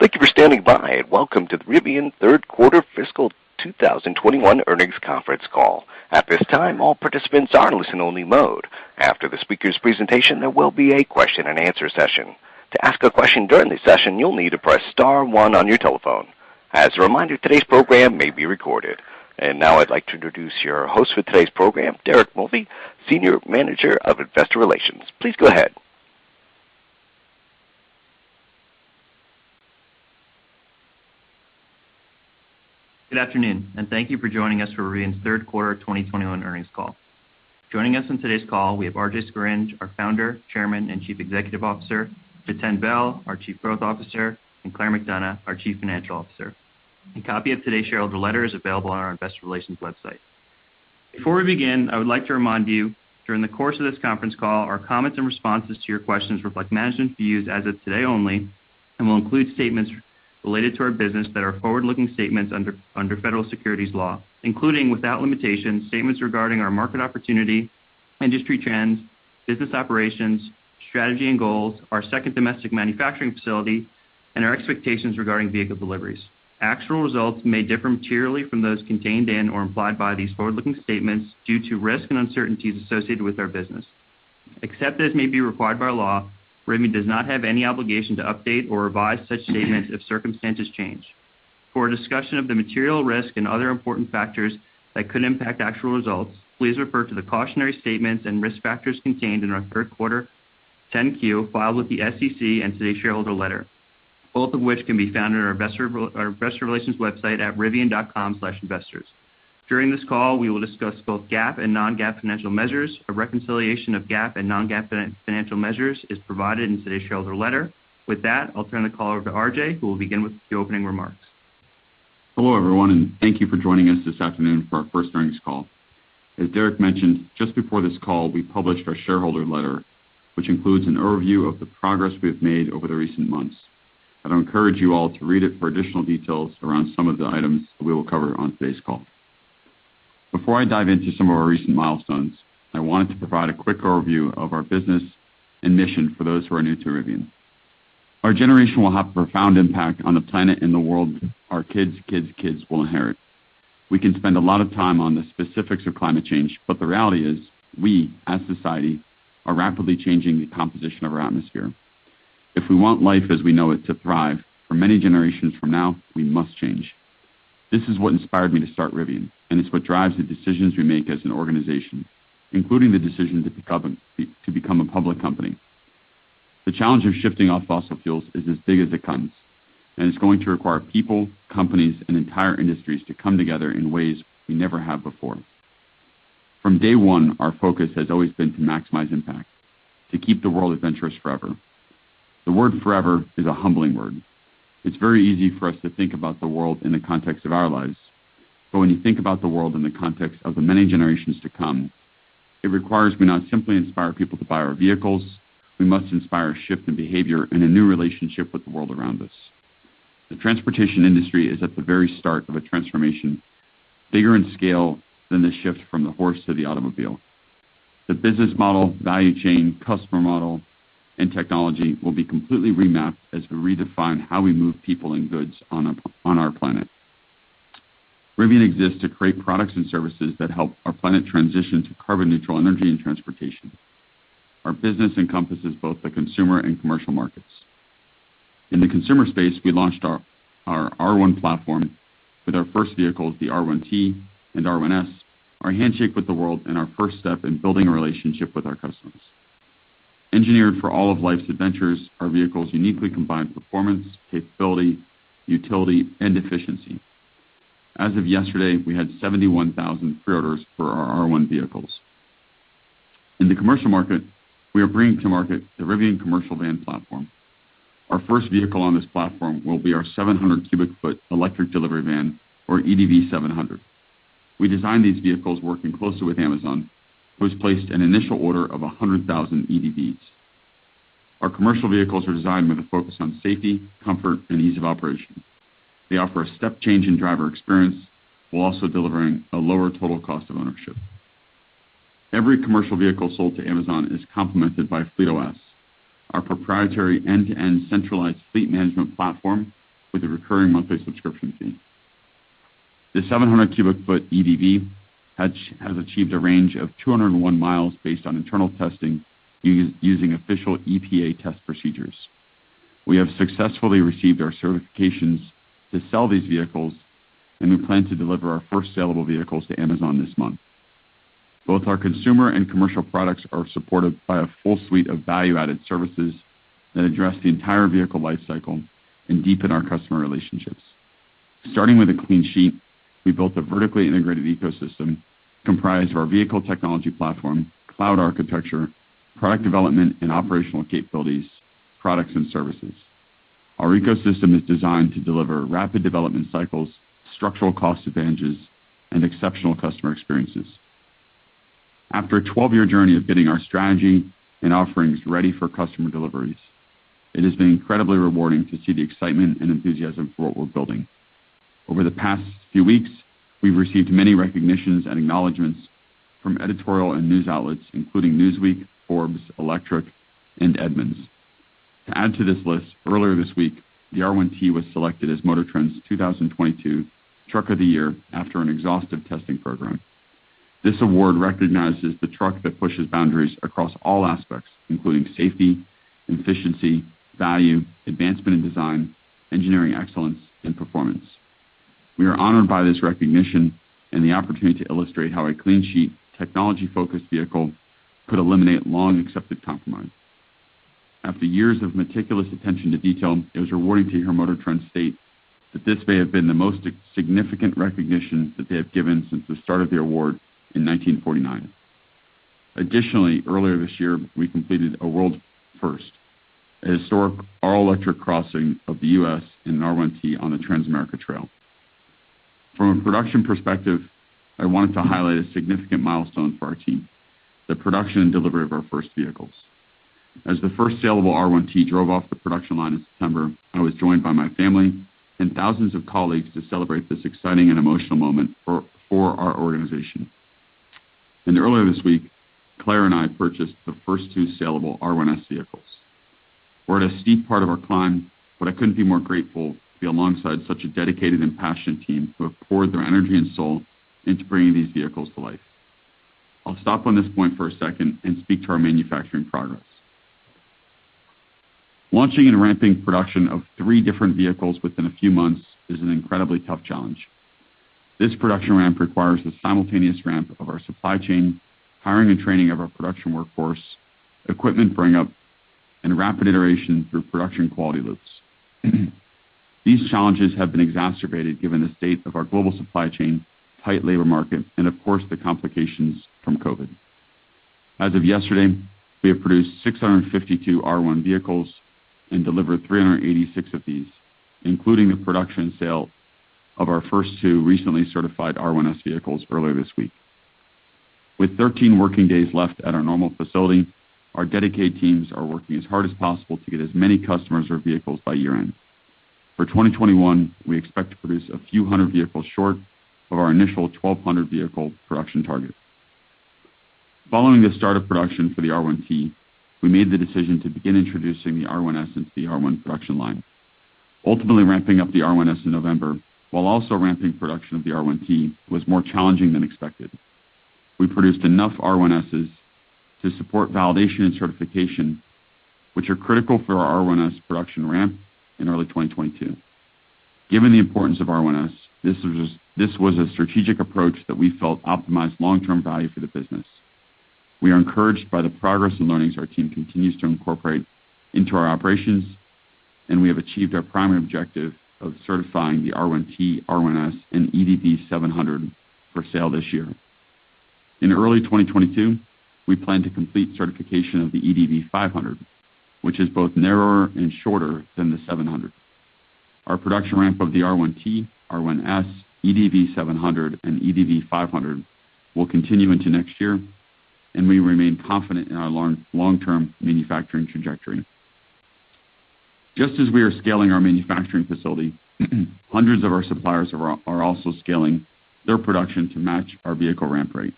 Thank you for standing by, and welcome to the Rivian third quarter fiscal 2021 earnings conference call. At this time, all participants are in listen only mode. After the speaker's presentation, there will be a question and answer session. To ask a question during this session, you'll need to press star one on your telephone. As a reminder, today's program may be recorded. Now I'd like to introduce your host for today's program, Derek Mulvey, Senior Manager, Investor Relations. Please go ahead. Good afternoon, and thank you for joining us for Rivian's third quarter 2021 earnings call. Joining us on today's call, we have RJ Scaringe, our Founder, Chairman, and Chief Executive Officer, Jiten Behl, our Chief Growth Officer, and Claire McDonough, our Chief Financial Officer. A copy of today's shareholder letter is available on our investor relations website. Before we begin, I would like to remind you, during the course of this conference call, our comments and responses to your questions reflect management views as of today only and will include statements related to our business that are forward-looking statements under federal securities law, including without limitation, statements regarding our market opportunity, industry trends, business operations, strategy and goals, our second domestic manufacturing facility, and our expectations regarding vehicle deliveries. Actual results may differ materially from those contained in or implied by these forward-looking statements due to risks and uncertainties associated with our business. Except as may be required by law, Rivian does not have any obligation to update or revise such statements if circumstances change. For a discussion of the material risk and other important factors that could impact actual results, please refer to the cautionary statements and risk factors contained in our third quarter 10-Q filed with the SEC and today's shareholder letter, both of which can be found on our investor relations website at rivian.com/investors. During this call, we will discuss both GAAP and non-GAAP financial measures. A reconciliation of GAAP and non-GAAP financial measures is provided in today's shareholder letter. With that, I'll turn the call over to RJ, who will begin with the opening remarks. Hello, everyone, and thank you for joining us this afternoon for our first earnings call. As Derek mentioned, just before this call, we published our shareholder letter, which includes an overview of the progress we have made over the recent months. I'd encourage you all to read it for additional details around some of the items that we will cover on today's call. Before I dive into some of our recent milestones, I wanted to provide a quick overview of our business and mission for those who are new to Rivian. Our generation will have a profound impact on the planet and the world our kids' kids' kids will inherit. We can spend a lot of time on the specifics of climate change, but the reality is we, as society, are rapidly changing the composition of our atmosphere. If we want life as we know it to thrive for many generations from now, we must change. This is what inspired me to start Rivian, and it's what drives the decisions we make as an organization, including the decision to become a public company. The challenge of shifting off fossil fuels is as big as it comes, and it's going to require people, companies, and entire industries to come together in ways we never have before. From day one, our focus has always been to maximize impact, to keep the world adventurous forever. The word forever is a humbling word. It's very easy for us to think about the world in the context of our lives. When you think about the world in the context of the many generations to come, it requires we not simply inspire people to buy our vehicles, we must inspire a shift in behavior and a new relationship with the world around us. The transportation industry is at the very start of a transformation bigger in scale than the shift from the horse to the automobile. The business model, value chain, customer model, and technology will be completely remapped as we redefine how we move people and goods on our planet. Rivian exists to create products and services that help our planet transition to carbon neutral energy and transportation. Our business encompasses both the consumer and commercial markets. In the consumer space, we launched our R1 platform with our first vehicles, the R1T and R1S, our handshake with the world and our first step in building a relationship with our customers. Engineered for all of life's adventures, our vehicles uniquely combine performance, capability, utility, and efficiency. As of yesterday, we had 71,000 preorders for our R1 vehicles. In the commercial market, we are bringing to market the Rivian commercial van platform. Our first vehicle on this platform will be our 700 cu ft electric delivery van or EDV 700. We designed these vehicles working closely with Amazon, who has placed an initial order of 100,000 EDVs. Our commercial vehicles are designed with a focus on safety, comfort, and ease of operation. They offer a step change in driver experience while also delivering a lower total cost of ownership. Every commercial vehicle sold to Amazon is complemented by FleetOS, our proprietary end-to-end centralized fleet management platform with a recurring monthly subscription fee. The 700 cu ft EDV has achieved a range of 201 mi based on internal testing using official EPA test procedures. We have successfully received our certifications to sell these vehicles, and we plan to deliver our first sellable vehicles to Amazon this month. Both our consumer and commercial products are supported by a full suite of value-added services that address the entire vehicle lifecycle and deepen our customer relationships. Starting with a clean sheet, we built a vertically integrated ecosystem comprised of our vehicle technology platform, cloud architecture, product development, and operational capabilities, products, and services. Our ecosystem is designed to deliver rapid development cycles, structural cost advantages, and exceptional customer experiences. After a 12-year journey of getting our strategy and offerings ready for customer deliveries, it has been incredibly rewarding to see the excitement and enthusiasm for what we're building. Over the past few weeks, we've received many recognitions and acknowledgments from editorial and news outlets, including Newsweek, Forbes, Electrek, and Edmunds. To add to this list, earlier this week, the R1T was selected as MotorTrend's 2022 Truck of the Year after an exhaustive testing program. This award recognizes the truck that pushes boundaries across all aspects, including safety, efficiency, value, advancement and design, engineering excellence, and performance. We are honored by this recognition and the opportunity to illustrate how a clean sheet technology-focused vehicle could eliminate long accepted compromise. After years of meticulous attention to detail, it was rewarding to hear MotorTrend state that this may have been the most significant recognition that they have given since the start of the award in 1949. Additionally, earlier this year, we completed a world first, a historic all-electric crossing of the U.S. in R1T on the Transamerica Trail. From a production perspective, I wanted to highlight a significant milestone for our team, the production and delivery of our first vehicles. As the first saleable R1T drove off the production line in September, I was joined by my family and thousands of colleagues to celebrate this exciting and emotional moment for our organization. Earlier this week, Claire and I purchased the first two saleable R1S vehicles. We're at a steep part of our climb, but I couldn't be more grateful to be alongside such a dedicated and passionate team who have poured their energy and soul into bringing these vehicles to life. I'll stop on this point for a second and speak to our manufacturing progress. Launching and ramping production of three different vehicles within a few months is an incredibly tough challenge. This production ramp requires the simultaneous ramp of our supply chain, hiring and training of our production workforce, equipment bring up, and rapid iteration through production quality loops. These challenges have been exacerbated given the state of our global supply chain, tight labor market, and of course, the complications from COVID. As of yesterday, we have produced 652 R1 vehicles and delivered 386 of these, including the production sale of our first two recently certified R1S vehicles earlier this week. With 13 working days left at our normal facility, our dedicated teams are working as hard as possible to get as many customers their vehicles by year-end. For 2021, we expect to produce a few hundred vehicles short of our initial 1,200 vehicle production target. Following the start of production for the R1T, we made the decision to begin introducing the R1S into the R1 production line. Ultimately ramping up the R1S in November, while also ramping production of the R1T was more challenging than expected. We produced enough R1Ss to support validation and certification, which are critical for our R1S production ramp in early 2022. Given the importance of R1S, this was a strategic approach that we felt optimized long-term value for the business. We are encouraged by the progress and learnings our team continues to incorporate into our operations, and we have achieved our primary objective of certifying the R1T, R1S, and EDV 700 for sale this year. In early 2022, we plan to complete certification of the EDV 500, which is both narrower and shorter than the 700. Our production ramp of the R1T, R1S, EDV 700, and EDV 500 will continue into next year, and we remain confident in our long-term manufacturing trajectory. Just as we are scaling our manufacturing facility, hundreds of our suppliers are also scaling their production to match our vehicle ramp rate.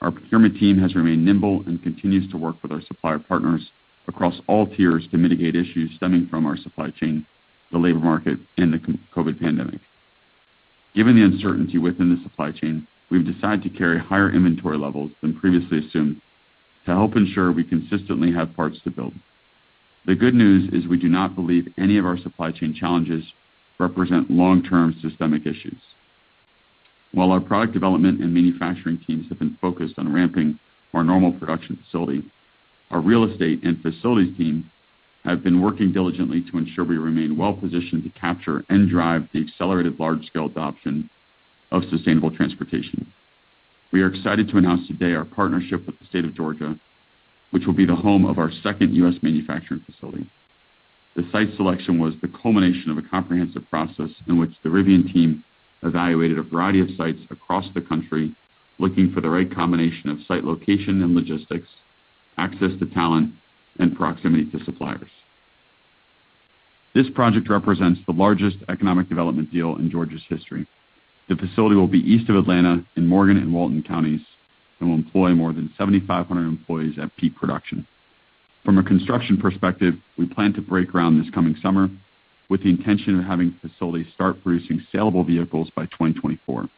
Our procurement team has remained nimble and continues to work with our supplier partners across all tiers to mitigate issues stemming from our supply chain, the labor market, and the COVID pandemic. Given the uncertainty within the supply chain, we've decided to carry higher inventory levels than previously assumed to help ensure we consistently have parts to build. The good news is we do not believe any of our supply chain challenges represent long-term systemic issues. While our product development and manufacturing teams have been focused on ramping our normal production facility, our real estate and facilities team have been working diligently to ensure we remain well positioned to capture and drive the accelerated large-scale adoption of sustainable transportation. We are excited to announce today our partnership with the state of Georgia, which will be the home of our second U.S. manufacturing facility. The site selection was the culmination of a comprehensive process in which the Rivian team evaluated a variety of sites across the country, looking for the right combination of site location and logistics, access to talent, and proximity to suppliers. This project represents the largest economic development deal in Georgia's history. The facility will be east of Atlanta in Morgan and Walton Counties and will employ more than 7,500 employees at peak production. From a construction perspective, we plan to break ground this coming summer with the intention of having the facility start producing saleable vehicles by 2024.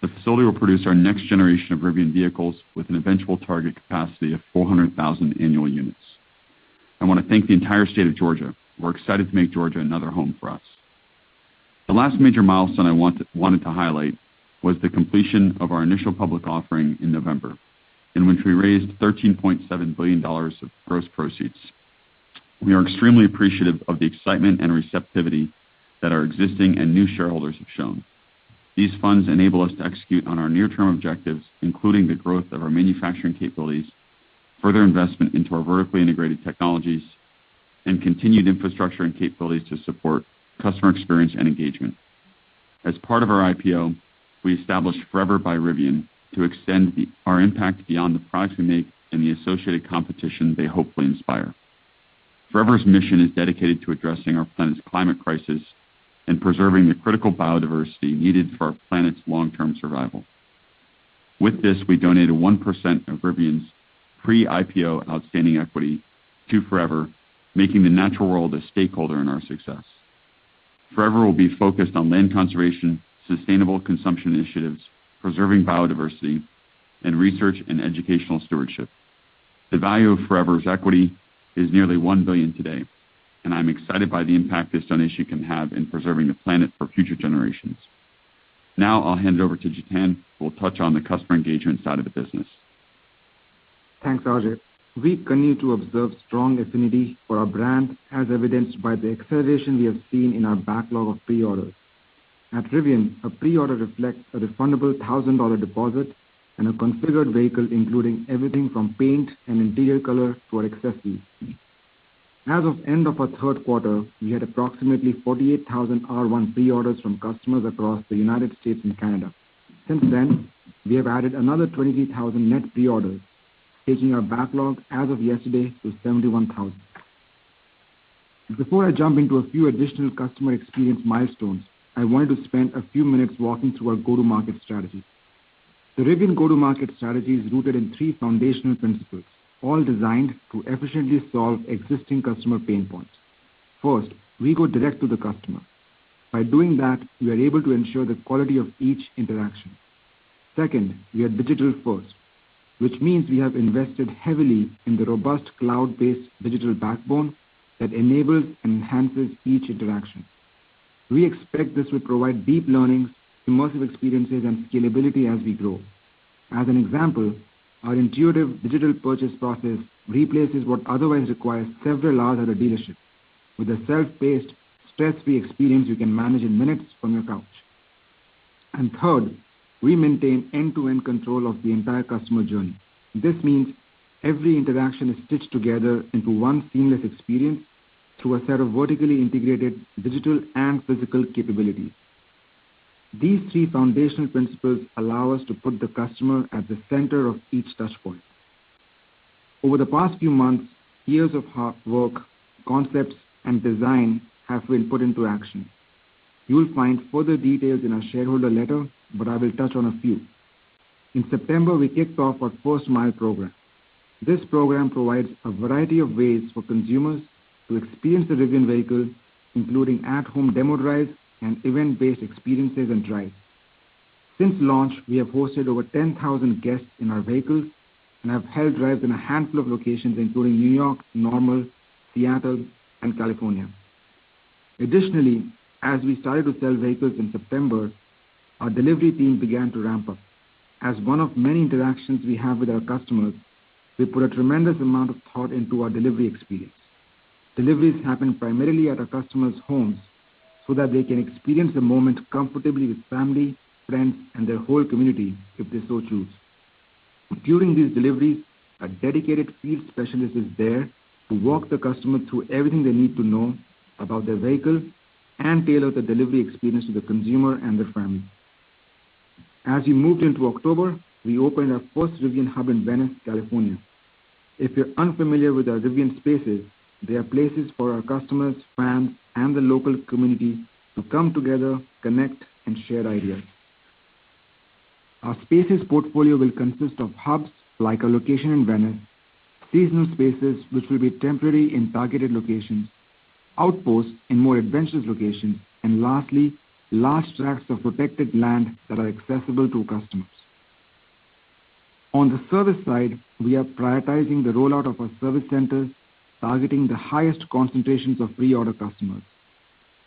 The facility will produce our next generation of Rivian vehicles with an eventual target capacity of 400,000 annual units. I wanna thank the entire state of Georgia. We're excited to make Georgia another home for us. The last major milestone I wanted to highlight was the completion of our initial public offering in November, in which we raised $13.7 billion of gross proceeds. We are extremely appreciative of the excitement and receptivity that our existing and new shareholders have shown. These funds enable us to execute on our near-term objectives, including the growth of our manufacturing capabilities, further investment into our vertically integrated technologies, and continued infrastructure and capabilities to support customer experience and engagement. As part of our IPO, we established Forever by Rivian to extend our impact beyond the products we make and the associated competition they hopefully inspire. Forever's mission is dedicated to addressing our planet's climate crisis and preserving the critical biodiversity needed for our planet's long-term survival. With this, we donated 1% of Rivian's pre-IPO outstanding equity to Forever, making the natural world a stakeholder in our success. Forever will be focused on land conservation, sustainable consumption initiatives, preserving biodiversity, and research and educational stewardship. The value of Forever's equity is nearly $1 billion today, and I'm excited by the impact this donation can have in preserving the planet for future generations. Now I'll hand it over to Jiten, who will touch on the customer engagement side of the business. Thanks, RJ. We continue to observe strong affinity for our brand as evidenced by the acceleration we have seen in our backlog of pre-orders. At Rivian, a pre-order reflects a refundable $1,000 deposit and a configured vehicle, including everything from paint and interior color to accessories. As of end of our third quarter, we had approximately 48,000 R1 pre-orders from customers across the United States and Canada. Since then, we have added another 23,000 net pre-orders, taking our backlog as of yesterday to 71,000. Before I jump into a few additional customer experience milestones, I wanted to spend a few minutes walking through our go-to-market strategy. The Rivian go-to-market strategy is rooted in three foundational principles, all designed to efficiently solve existing customer pain points. First, we go direct to the customer. By doing that, we are able to ensure the quality of each interaction. Second, we are digital first, which means we have invested heavily in the robust cloud-based digital backbone that enables and enhances each interaction. We expect this will provide deep learnings, immersive experiences, and scalability as we grow. As an example, our intuitive digital purchase process replaces what otherwise requires several hours at a dealership with a self-paced, stress-free experience you can manage in minutes from your couch. Third, we maintain end-to-end control of the entire customer journey. This means every interaction is stitched together into one seamless experience through a set of vertically integrated digital and physical capabilities. These three foundational principles allow us to put the customer at the center of each touchpoint. Over the past few months, years of hard work, concepts, and design have been put into action. You will find further details in our shareholder letter, but I will touch on a few. In September, we kicked off our First Mile program. This program provides a variety of ways for consumers to experience the Rivian vehicle, including at-home demo drives and event-based experiences and drives. Since launch, we have hosted over 10,000 guests in our vehicles and have held drives in a handful of locations, including New York, Normal, Seattle, and California. Additionally, as we started to sell vehicles in September, our delivery team began to ramp up. As one of many interactions we have with our customers, we put a tremendous amount of thought into our delivery experience. Deliveries happen primarily at our customers' homes so that they can experience the moment comfortably with family, friends, and their whole community if they so choose. During this delivery, a dedicated field specialist is there to walk the customer through everything they need to know about their vehicle and tailor the delivery experience to the consumer and their family. As we moved into October, we opened our first Rivian hub in Venice, California. If you're unfamiliar with our Rivian Spaces, they are places for our customers, fans, and the local community to come together, connect, and share ideas. Our Spaces portfolio will consist of hubs like our location in Venice, seasonal spaces which will be temporary in targeted locations, outposts in more adventurous locations, and lastly, large tracts of protected land that are accessible to customers. On the service side, we are prioritizing the rollout of our service centers, targeting the highest concentrations of pre-order customers.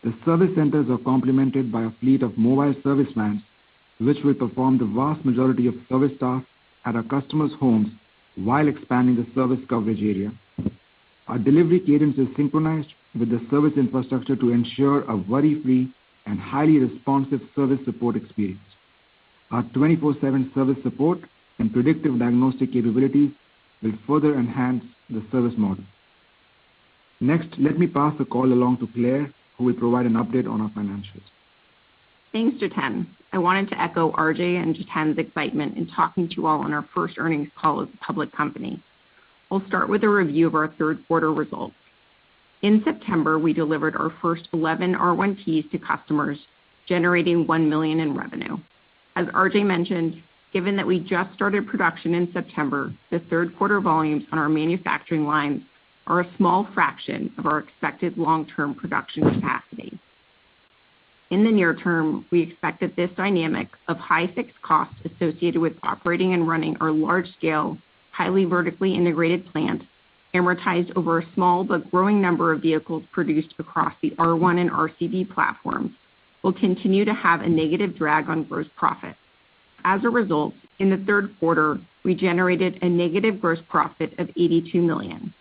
The service centers are complemented by a fleet of mobile service vans, which will perform the vast majority of service tasks at our customers' homes while expanding the service coverage area. Our delivery cadence is synchronized with the service infrastructure to ensure a worry-free and highly responsive service support experience. Our 24/7 service support and predictive diagnostic capabilities will further enhance the service model. Next, let me pass the call along to Claire, who will provide an update on our financials. Thanks, Jiten. I wanted to echo RJ and Jiten's excitement in talking to you all on our first earnings call as a public company. I'll start with a review of our third quarter results. In September, we delivered our first 11 R1Ts to customers, generating $1 million in revenue. As RJ mentioned, given that we just started production in September, the third quarter volumes on our manufacturing lines are a small fraction of our expected long-term production capacity. In the near term, we expect that this dynamic of high fixed costs associated with operating and running our large-scale, highly vertically integrated plant, amortized over a small but growing number of vehicles produced across the R1 and RCV platforms, will continue to have a negative drag on gross profit. As a result, in the third quarter, we generated a negative gross profit of $82 million.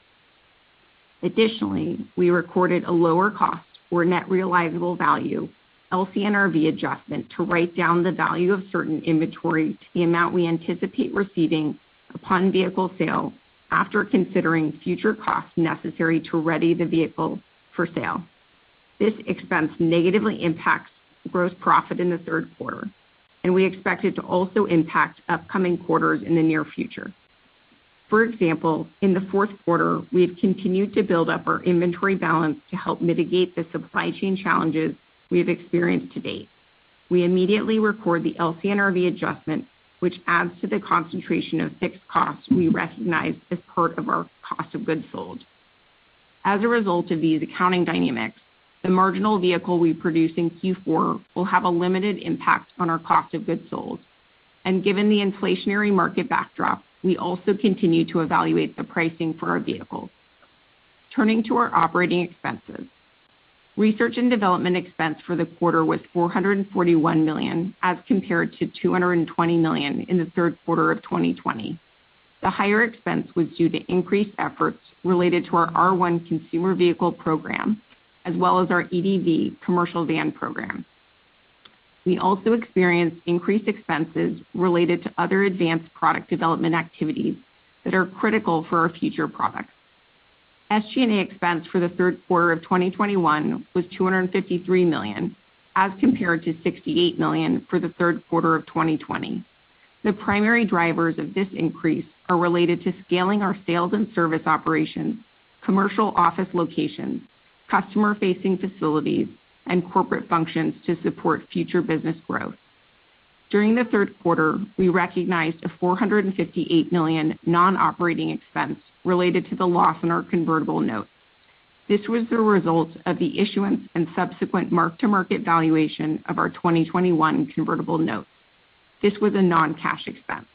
Additionally, we recorded a lower cost or net realizable value LCNRV adjustment to write down the value of certain inventory to the amount we anticipate receiving upon vehicle sale after considering future costs necessary to ready the vehicle for sale. This expense negatively impacts gross profit in the third quarter, and we expect it to also impact upcoming quarters in the near future. For example, in the fourth quarter, we have continued to build up our inventory balance to help mitigate the supply chain challenges we have experienced to date. We immediately record the LCNRV adjustment, which adds to the concentration of fixed costs we recognize as part of our cost of goods sold. As a result of these accounting dynamics, the marginal vehicle we produce in Q4 will have a limited impact on our cost of goods sold. Given the inflationary market backdrop, we also continue to evaluate the pricing for our vehicles. Turning to our operating expenses. Research and development expense for the quarter was $441 million as compared to $220 million in the third quarter of 2020. The higher expense was due to increased efforts related to our R1 consumer vehicle program, as well as our EDV commercial van program. We also experienced increased expenses related to other advanced product development activities that are critical for our future products. SG&A expense for the third quarter of 2021 was $253 million, as compared to $68 million for the third quarter of 2020. The primary drivers of this increase are related to scaling our sales and service operations, commercial office locations, customer-facing facilities, and corporate functions to support future business growth. During the third quarter, we recognized a $458 million non-operating expense related to the loss in our convertible notes. This was the result of the issuance and subsequent mark-to-market valuation of our 2021 convertible notes. This was a non-cash expense.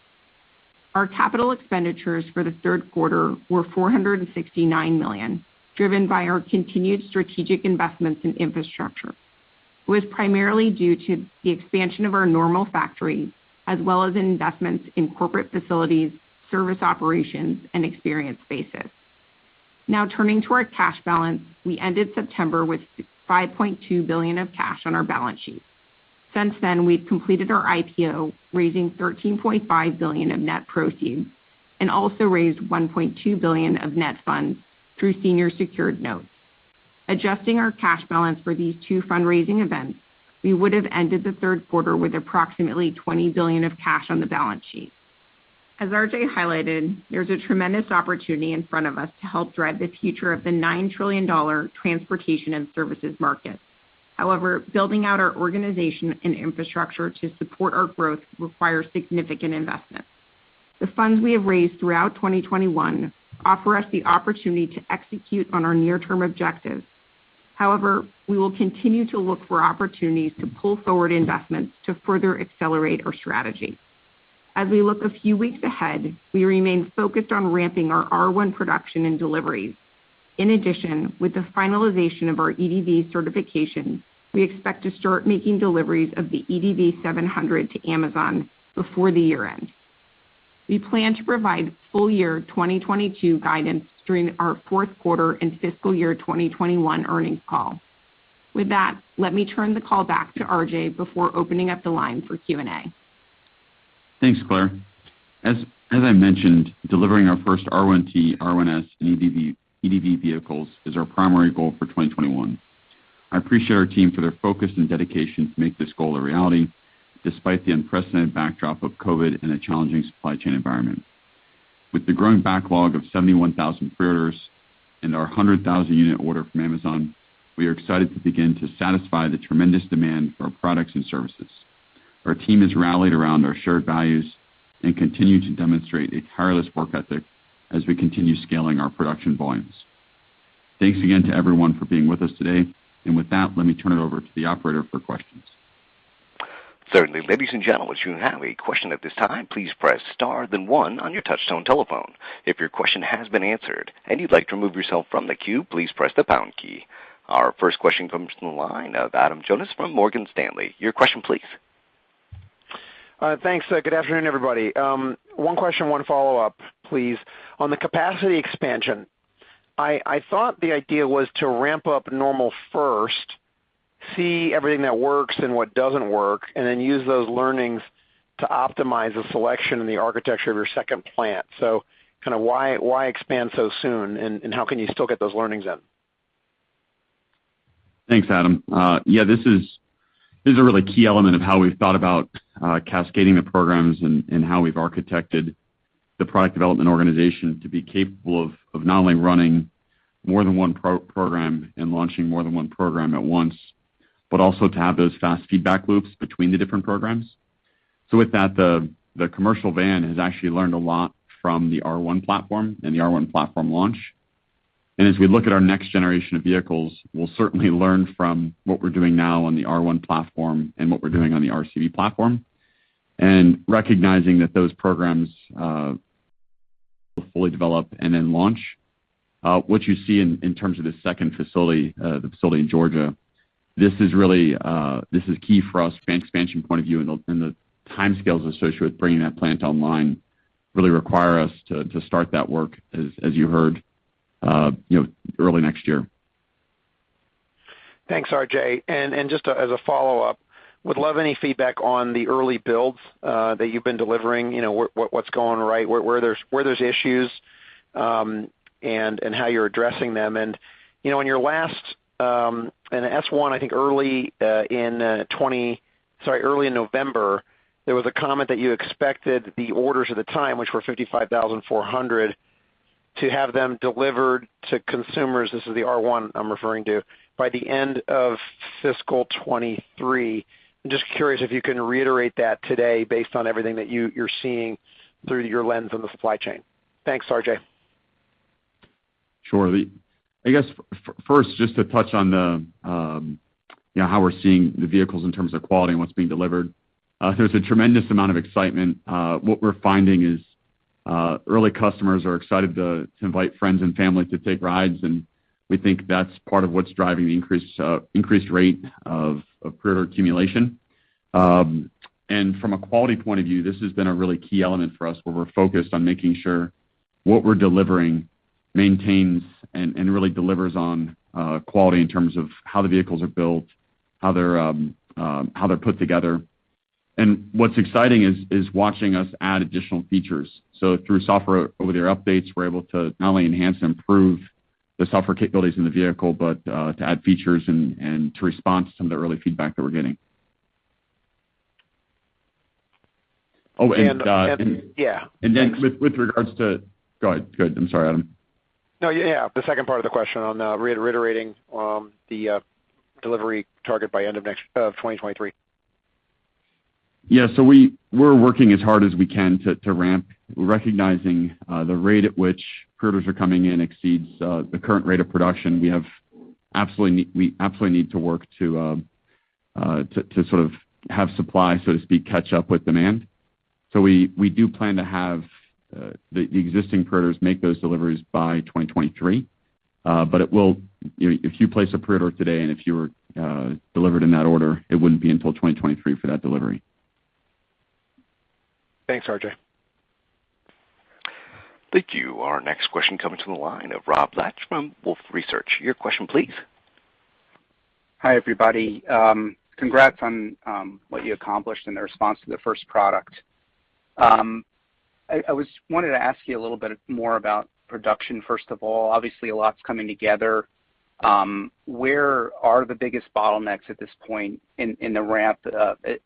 Our capital expenditures for the third quarter were $469 million, driven by our continued strategic investments in infrastructure. It was primarily due to the expansion of our Normal factories, as well as investments in corporate facilities, service operations, and experience spaces. Now turning to our cash balance. We ended September with $5.2 billion of cash on our balance sheet. Since then, we've completed our IPO, raising $13.5 billion of net proceeds, and also raised $1.2 billion of net funds through senior secured notes. Adjusting our cash balance for these two fundraising events, we would've ended the third quarter with approximately $20 billion of cash on the balance sheet. As RJ highlighted, there's a tremendous opportunity in front of us to help thread the future of the $9 trillion transportation and services market. However, building out our organization and infrastructure to support our growth requires significant investment. The funds we have raised throughout 2021 offer us the opportunity to execute on our near-term objectives. However, we will continue to look for opportunities to pull forward investments to further accelerate our strategy. As we look a few weeks ahead, we remain focused on ramping our R1 production and deliveries. In addition, with the finalization of our EDV certification, we expect to start making deliveries of the EDV 700 to Amazon before the year-end. We plan to provide full year 2022 guidance during our fourth quarter and fiscal year 2021 earnings call. With that, let me turn the call back to RJ before opening up the line for Q&A. Thanks, Claire. As I mentioned, delivering our first R1T, R1S, and EDV vehicles is our primary goal for 2021. I appreciate our team for their focus and dedication to make this goal a reality, despite the unprecedented backdrop of COVID and a challenging supply chain environment. With the growing backlog of 71,000 preorders and our 100,000 unit order from Amazon, we are excited to begin to satisfy the tremendous demand for our products and services. Our team has rallied around our shared values and continue to demonstrate a tireless work ethic as we continue scaling our production volumes. Thanks again to everyone for being with us today. With that, let me turn it over to the operator for questions. Certainly. Ladies and gentlemen, if you have a question at this time, please press star then one on your touchtone telephone. If your question has been answered and you'd like to remove yourself from the queue, please press the pound key. Our first question comes from the line of Adam Jonas from Morgan Stanley. Your question please. Thanks. Good afternoon, everybody. One question, one follow-up, please. On the capacity expansion, I thought the idea was to ramp up normally first, see everything that works and what doesn't work, and then use those learnings to optimize the selection and the architecture of your second plant. Kinda, why expand so soon, and how can you still get those learnings in? Thanks, Adam. Yeah, this is a really key element of how we've thought about cascading the programs and how we've architected the product development organization to be capable of not only running more than one program and launching more than one program at once, but also to have those fast feedback loops between the different programs. With that, the commercial van has actually learned a lot from the R1 platform and the R1 platform launch. As we look at our next generation of vehicles, we'll certainly learn from what we're doing now on the R1 platform and what we're doing on the RCV platform. Recognizing that those programs will fully develop and then launch. What you see in terms of the second facility, the facility in Georgia, this is really key for us from an expansion point of view. The timescales associated with bringing that plant online really require us to start that work as you heard, you know, early next year. Thanks, RJ. Just as a follow-up, I would love any feedback on the early builds that you've been delivering. You know, what's going right, where there's issues, and how you're addressing them. You know, in your last S-1, I think early in November, there was a comment that you expected the orders at the time, which were 55,400, to have them delivered to consumers, this is the R1 I'm referring to, by the end of fiscal 2023. I'm just curious if you can reiterate that today based on everything that you're seeing through your lens on the supply chain. Thanks, RJ. Sure. I guess first, just to touch on how we're seeing the vehicles in terms of quality and what's being delivered. There's a tremendous amount of excitement. What we're finding is early customers are excited to invite friends and family to take rides, and we think that's part of what's driving the increased rate of pre-order accumulation. From a quality point of view, this has been a really key element for us, where we're focused on making sure what we're delivering maintains and really delivers on quality in terms of how the vehicles are built, how they're put together. What's exciting is watching us add additional features. Through software, over-the-air updates, we're able to not only enhance and improve the software capabilities in the vehicle, but to add features and to respond to some of the early feedback that we're getting. Yeah. Thanks. With regards to... Go ahead. I'm sorry, Adam. No. Yeah. The second part of the question on reiterating the delivery target by end of next of 2023. We're working as hard as we can to ramp, recognizing the rate at which pre-orders are coming in exceeds the current rate of production. We absolutely need to work to sort of have supply, so to speak, catch up with demand. We do plan to have the existing pre-orders make those deliveries by 2023. It will, you know, if you place a pre-order today, and if you were delivered in that order, it wouldn't be until 2023 for that delivery. Thanks, RJ. Thank you. Our next question coming to the line of Rod Lache from Wolfe Research. Your question please. Hi, everybody. Congrats on what you accomplished in the response to the first product. I was wanting to ask you a little bit more about production, first of all. Obviously, a lot's coming together. Where are the biggest bottlenecks at this point in the ramp?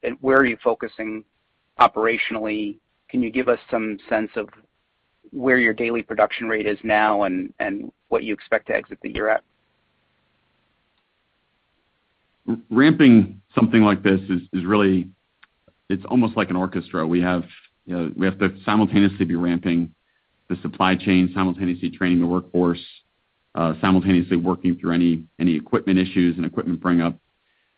And where are you focusing operationally? Can you give us some sense of where your daily production rate is now and what you expect to exit the year at? Ramping something like this is really, it's almost like an orchestra. We have, you know, we have to simultaneously be ramping the supply chain, simultaneously training the workforce, simultaneously working through any equipment issues and equipment bring up,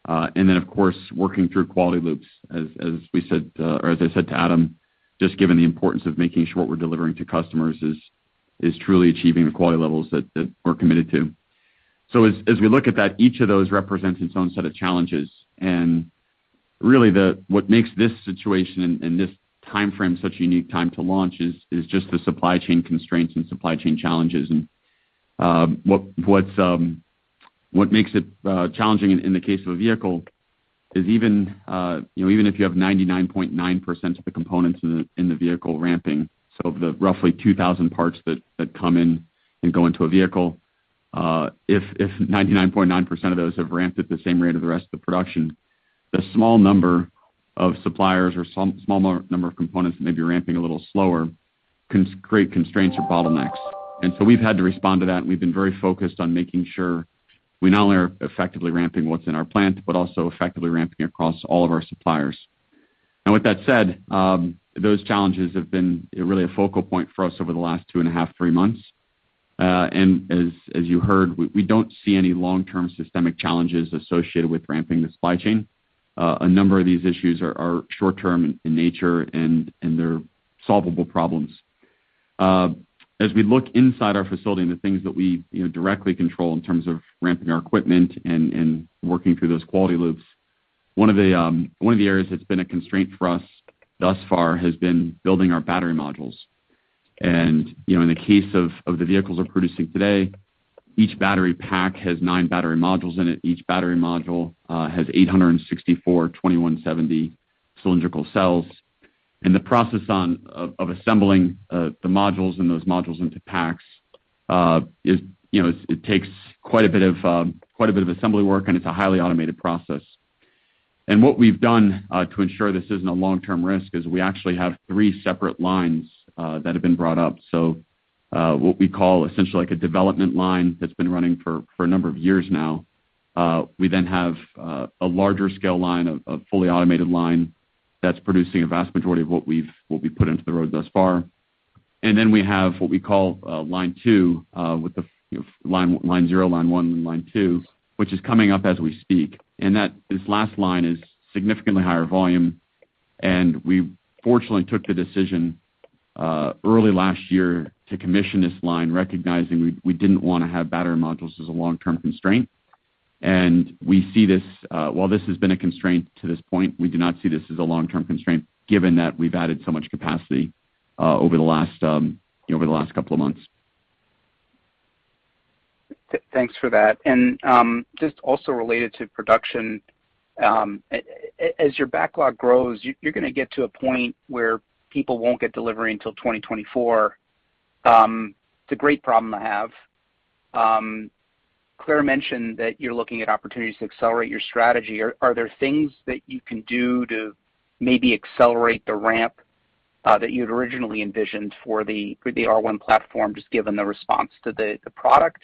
and then of course, working through quality loops as we said, or as I said to Adam, just given the importance of making sure what we're delivering to customers is truly achieving the quality levels that we're committed to. As we look at that, each of those represents its own set of challenges. Really what makes this situation and this timeframe such a unique time to launch is just the supply chain constraints and supply chain challenges. What makes it challenging in the case of a vehicle is even, you know, even if you have 99.9% of the components in the vehicle ramping, so the roughly 2,000 parts that come in and go into a vehicle, if 99.9% of those have ramped at the same rate of the rest of the production, the small number of suppliers or some small number of components may be ramping a little slower can create constraints or bottlenecks. We've had to respond to that, and we've been very focused on making sure we not only are effectively ramping what's in our plant, but also effectively ramping across all of our suppliers. Now with that said, those challenges have been, you know, really a focal point for us over the last two and a half, three months. As you heard, we don't see any long-term systemic challenges associated with ramping the supply chain. A number of these issues are short term in nature and they're solvable problems. As we look inside our facility and the things that we, you know, directly control in terms of ramping our equipment and working through those quality loops, one of the areas that's been a constraint for us thus far has been building our battery modules. You know, in the case of the vehicles we're producing today, each battery pack has nine battery modules in it. Each battery module has 864 2170 cylindrical cells. The process of assembling the modules and those modules into packs is, you know, it takes quite a bit of assembly work, and it's a highly automated process. What we've done to ensure this isn't a long-term risk is we actually have three separate lines that have been brought up. What we call essentially like a development line that's been running for a number of years now. We then have a larger scale line, a fully automated line that's producing a vast majority of what we put into the road thus far. We have what we call line two, with the, you know, line zero, line one, and line two, which is coming up as we speak. This last line is significantly higher volume, and we fortunately took the decision early last year to commission this line, recognizing we didn't wanna have battery modules as a long-term constraint. We see this, while this has been a constraint to this point, we do not see this as a long-term constraint given that we've added so much capacity over the last couple of months. Thanks for that. Just also related to production, as your backlog grows, you're gonna get to a point where people won't get delivery until 2024. It's a great problem to have. Claire mentioned that you're looking at opportunities to accelerate your strategy. Are there things that you can do to maybe accelerate the ramp that you'd originally envisioned for the R1 platform, just given the response to the product?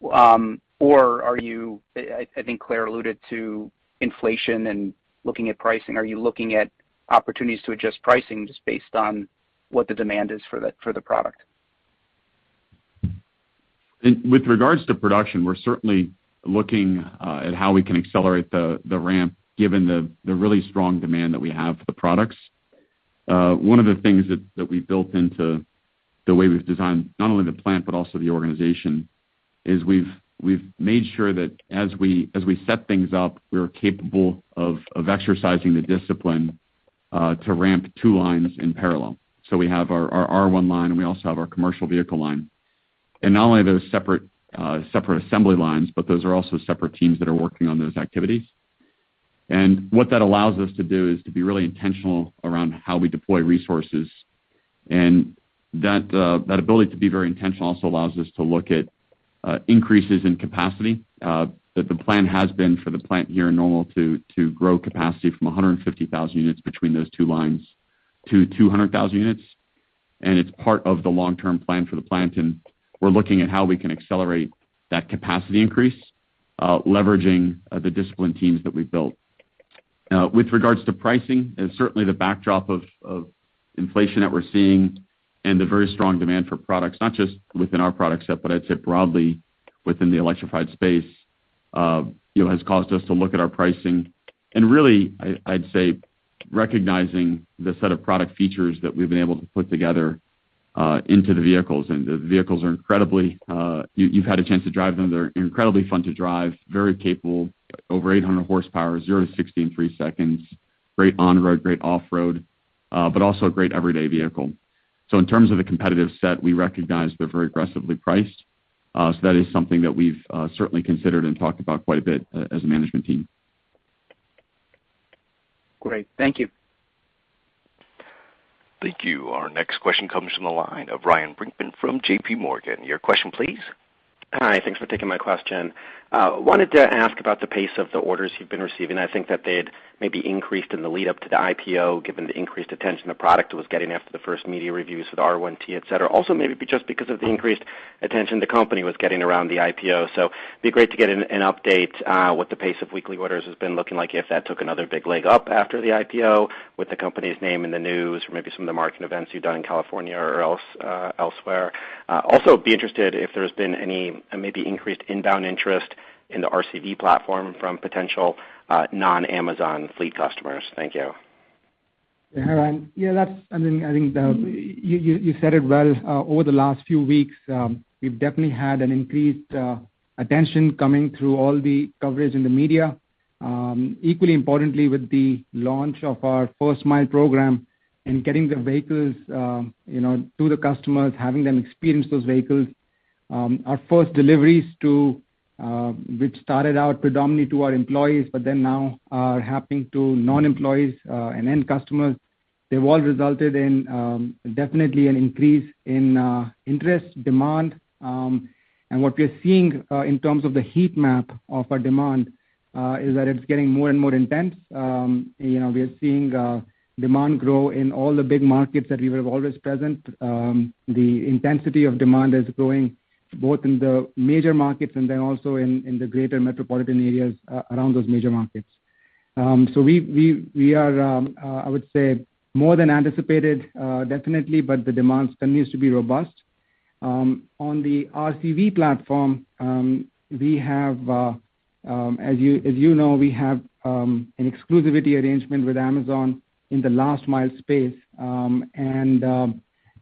Or are you—I think Claire alluded to inflation and looking at pricing. Are you looking at opportunities to adjust pricing just based on what the demand is for the product? With regards to production, we're certainly looking at how we can accelerate the ramp given the really strong demand that we have for the products. One of the things that we built into the way we've designed not only the plant but also the organization is we've made sure that as we set things up, we are capable of exercising the discipline to ramp two lines in parallel. We have our R1 line, and we also have our commercial vehicle line. Not only are those separate assembly lines, but those are also separate teams that are working on those activities. What that allows us to do is to be really intentional around how we deploy resources. That ability to be very intentional also allows us to look at increases in capacity that the plan has been for the plant here in Normal to grow capacity from 150,000 units between those two lines to 200,000 units. It's part of the long-term plan for the plant, and we're looking at how we can accelerate that capacity increase leveraging the disciplined teams that we've built. With regards to pricing and certainly the backdrop of inflation that we're seeing and the very strong demand for products, not just within our product set, but I'd say broadly within the electrified space, you know, has caused us to look at our pricing. Really, I'd say, recognizing the set of product features that we've been able to put together into the vehicles. The vehicles are incredibly. You've had a chance to drive them. They're incredibly fun to drive, very capable, over 800 horsepower, zero to 60 in three seconds. Great on road, great off road, but also a great everyday vehicle. In terms of the competitive set, we recognize they're very aggressively priced. That is something that we've certainly considered and talked about quite a bit as a management team. Great. Thank you. Thank you. Our next question comes from the line of Ryan Brinkman from JPMorgan. Your question, please. Hi. Thanks for taking my question. Wanted to ask about the pace of the orders you've been receiving. I think that they had maybe increased in the lead-up to the IPO, given the increased attention the product was getting after the first media reviews with R1T, et cetera. Also, maybe just because of the increased attention the company was getting around the IPO. It'd be great to get an update what the pace of weekly orders has been looking like if that took another big leg up after the IPO with the company's name in the news or maybe some of the marketing events you've done in California or elsewhere. Also be interested if there's been any maybe increased inbound interest in the RCV platform from potential non-Amazon fleet customers. Thank you. Yeah, Ryan. Yeah, that's, I mean, I think you said it well. Over the last few weeks, we've definitely had an increased attention coming through all the coverage in the media. Equally importantly, with the launch of our First Mile program and getting the vehicles, you know, to the customers, having them experience those vehicles. Our first deliveries, which started out predominantly to our employees, but then now are happening to non-employees and end customers. They've all resulted in definitely an increase in interest, demand. What we're seeing in terms of the heat map of our demand is that it's getting more and more intense. You know, we are seeing demand grow in all the big markets that we were always present. The intensity of demand is growing both in the major markets and then also in the greater metropolitan areas around those major markets. We are more than anticipated, definitely, but the demand continues to be robust. On the RCV platform, as you know, we have an exclusivity arrangement with Amazon in the last mile space.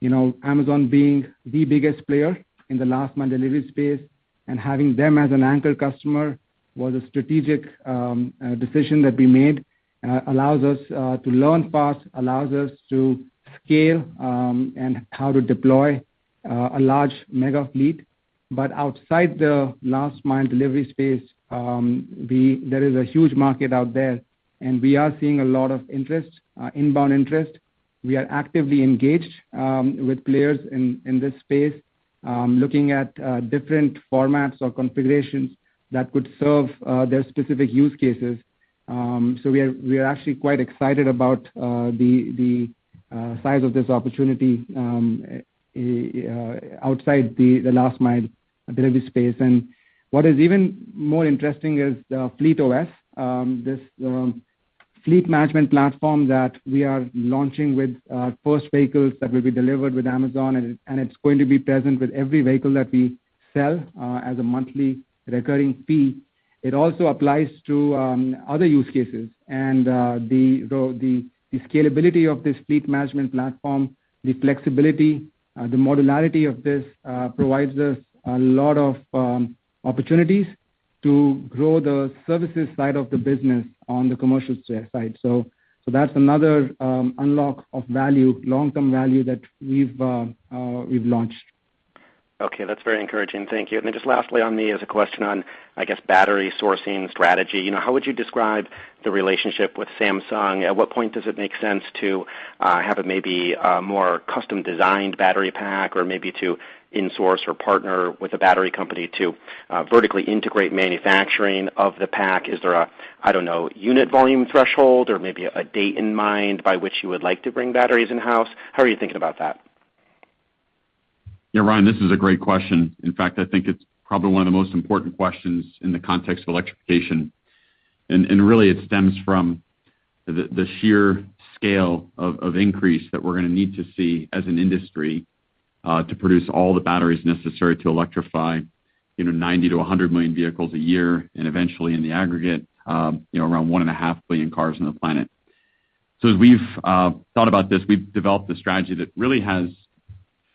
You know, Amazon being the biggest player in the last mile delivery space and having them as an anchor customer was a strategic decision that we made allows us to learn fast, allows us to scale, and how to deploy a large mega fleet. Outside the Last Mile delivery space, there is a huge market out there, and we are seeing a lot of interest, inbound interest. We are actively engaged with players in this space, looking at different formats or configurations that could serve their specific use cases. We are actually quite excited about the size of this opportunity outside the Last Mile delivery space. What is even more interesting is the FleetOS, this fleet management platform that we are launching with first vehicles that will be delivered with Amazon. It's going to be present with every vehicle that we sell as a monthly recurring fee. It also applies to other use cases. The scalability of this fleet management platform, the flexibility, the modularity of this provides us a lot of opportunities. To grow the services side of the business on the commercial side. That's another unlock of value, long-term value that we've launched. Okay, that's very encouraging. Thank you. Just lastly from me is a question on, I guess, battery sourcing strategy. You know, how would you describe the relationship with Samsung? At what point does it make sense to have a maybe a more custom-designed battery pack or maybe to in-source or partner with a battery company to vertically integrate manufacturing of the pack? Is there a, I don't know, unit volume threshold or maybe a date in mind by which you would like to bring batteries in-house? How are you thinking about that? Yeah, Ryan, this is a great question. In fact, I think it's probably one of the most important questions in the context of electrification. Really, it stems from the sheer scale of increase that we're gonna need to see as an industry to produce all the batteries necessary to electrify, you know, 90-100 million vehicles a year, and eventually in the aggregate, you know, around 1.5 billion cars on the planet. As we've thought about this, we've developed a strategy that really has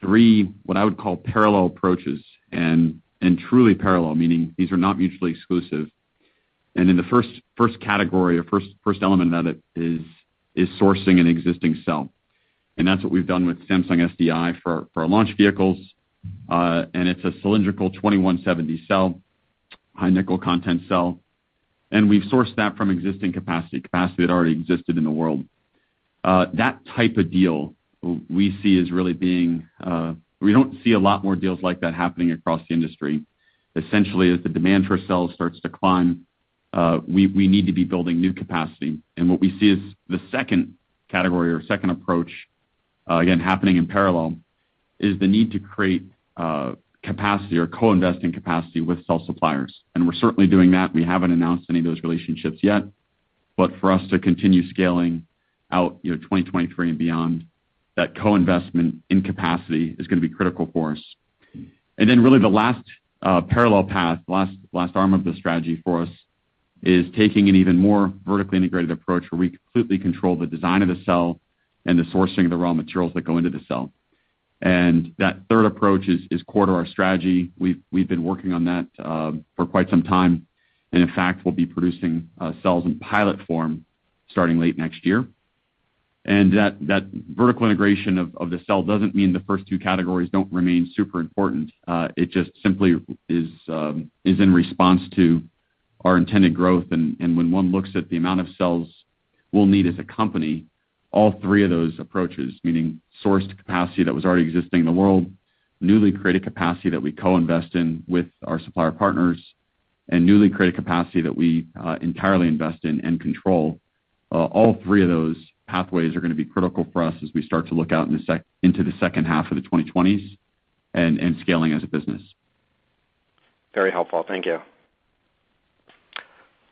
three, what I would call, parallel approaches, and truly parallel, meaning these are not mutually exclusive. In the first category or first element of that is sourcing an existing cell. That's what we've done with Samsung SDI for our launch vehicles. It's a cylindrical 2170 cell, high nickel content cell, and we've sourced that from existing capacity that already existed in the world. That type of deal we see as really being. We don't see a lot more deals like that happening across the industry. Essentially, as the demand for cells starts to climb, we need to be building new capacity. What we see as the second category or second approach, again, happening in parallel, is the need to create capacity or co-invest in capacity with cell suppliers. We're certainly doing that. We haven't announced any of those relationships yet. For us to continue scaling out, you know, 2023 and beyond, that co-investment in capacity is gonna be critical for us. Then really the last parallel path, last arm of the strategy for us is taking an even more vertically integrated approach where we completely control the design of the cell and the sourcing of the raw materials that go into the cell. That third approach is core to our strategy. We've been working on that for quite some time. In fact, we'll be producing cells in pilot form starting late next year. That vertical integration of the cell doesn't mean the first two categories don't remain super important. It just simply is in response to our intended growth. When one looks at the amount of cells we'll need as a company, all three of those approaches, meaning sourced capacity that was already existing in the world, newly created capacity that we co-invest in with our supplier partners, and newly created capacity that we entirely invest in and control, all three of those pathways are gonna be critical for us as we start to look out into the second half of the 2020s and scaling as a business. Very helpful. Thank you.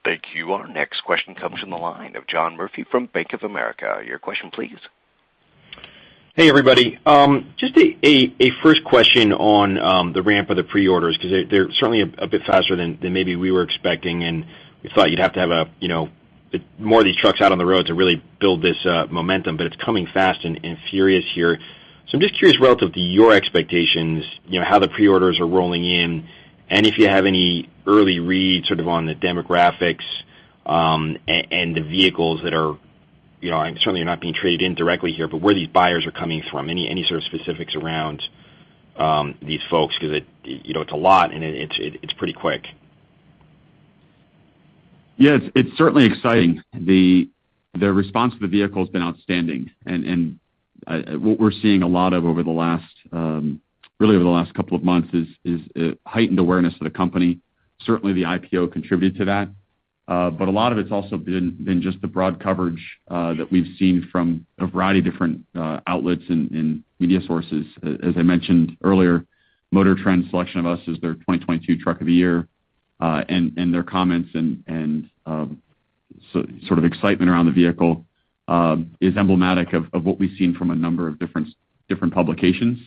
Thank you. Our next question comes from the line of John Murphy from Bank of America. Your question, please. Hey, everybody. Just a first question on the ramp of the pre-orders, 'cause they're certainly a bit faster than maybe we were expecting, and we thought you'd have to have, you know, more of these trucks out on the road to really build this momentum, but it's coming fast and furious here. So I'm just curious relative to your expectations, you know, how the pre-orders are rolling in, and if you have any early read sort of on the demographics, and the vehicles that are, you know, certainly are not being traded in directly here, but where these buyers are coming from. Any sort of specifics around these folks? 'Cause, you know, it's a lot, and it's pretty quick. Yeah. It's certainly exciting. The response to the vehicle has been outstanding. What we're seeing a lot of over the last couple of months is a heightened awareness of the company. Certainly, the IPO contributed to that. But a lot of it's also been just the broad coverage that we've seen from a variety of different outlets and media sources. As I mentioned earlier, MotorTrend's selection of us as their 2022 Truck of the Year and their comments and sort of excitement around the vehicle is emblematic of what we've seen from a number of different publications.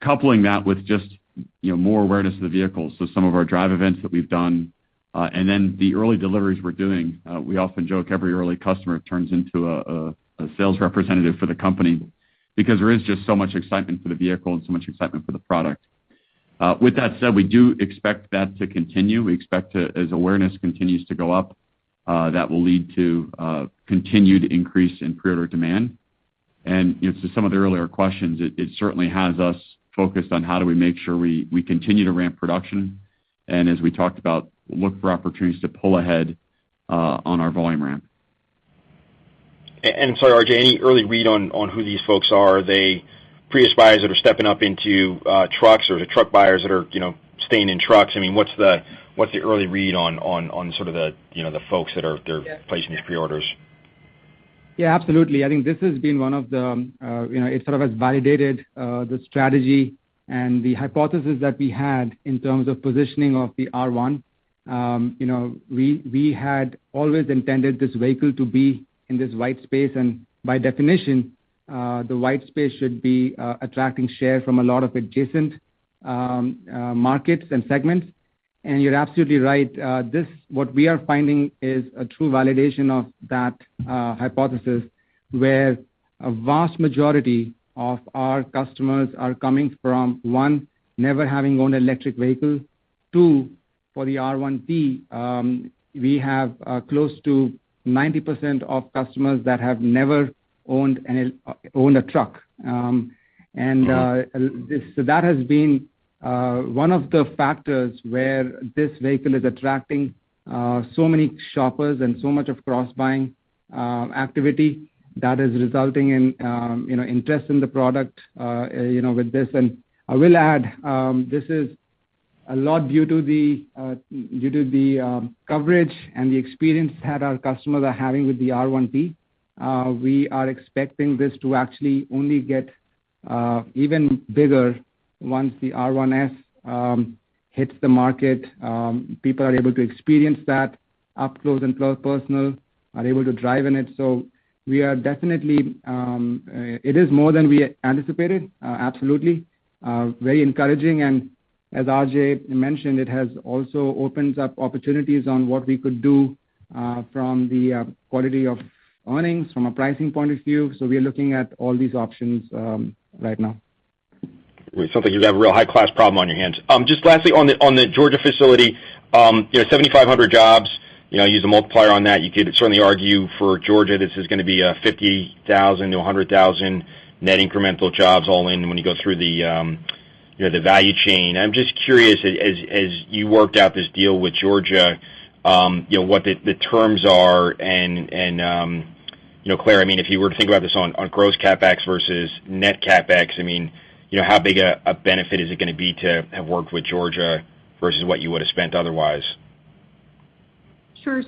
Coupling that with just, you know, more awareness of the vehicle, so some of our drive events that we've done, and then the early deliveries we're doing. We often joke every early customer turns into a sales representative for the company because there is just so much excitement for the vehicle and so much excitement for the product. With that said, we do expect that to continue. We expect as awareness continues to go up, that will lead to continued increase in pre-order demand. You know, to some of the earlier questions, it certainly has us focused on how do we make sure we continue to ramp production and as we talked about, look for opportunities to pull ahead on our volume ramp. Sorry, RJ, any early read on who these folks are? Are they Prius buyers that are stepping up into trucks, or are they truck buyers that are, you know, staying in trucks? I mean, what's the early read on sort of the, you know, folks that are placing these pre-orders? Yeah, absolutely. I think this has been one of the, you know, it sort of has validated the strategy and the hypothesis that we had in terms of positioning of the R1. You know, we had always intended this vehicle to be in this white space, and by definition, the white space should be attracting share from a lot of adjacent, markets and segments. You're absolutely right. This, what we are finding is a true validation of that, hypothesis. Where a vast majority of our customers are coming from, one, never having owned an electric vehicle. Two, for the R1T, we have close to 90% of customers that have never owned a truck. So that has been one of the factors where this vehicle is attracting so many shoppers and so much cross buying activity that is resulting in, you know, interest in the product, you know, with this. I will add, this is a lot due to the coverage and the experience that our customers are having with the R1T. We are expecting this to actually only get even bigger once the R1S hits the market, people are able to experience that up close and personal and drive in it. It is more than we anticipated, absolutely, very encouraging. As RJ mentioned, it also opens up opportunities on what we could do from the quality of earnings from a pricing point of view. We are looking at all these options right now. It sounds like you have a real high-class problem on your hands. Just lastly on the Georgia facility, you know, 7,500 jobs, you know, use a multiplier on that. You could certainly argue for Georgia, this is gonna be a 50,000-100,000 net incremental jobs all in when you go through the, you know, the value chain. I'm just curious, as you worked out this deal with Georgia, you know, what the terms are, and you know, Claire, I mean, if you were to think about this on gross CapEx versus net CapEx, I mean, you know, how big a benefit is it gonna be to have worked with Georgia versus what you would have spent otherwise? Sure.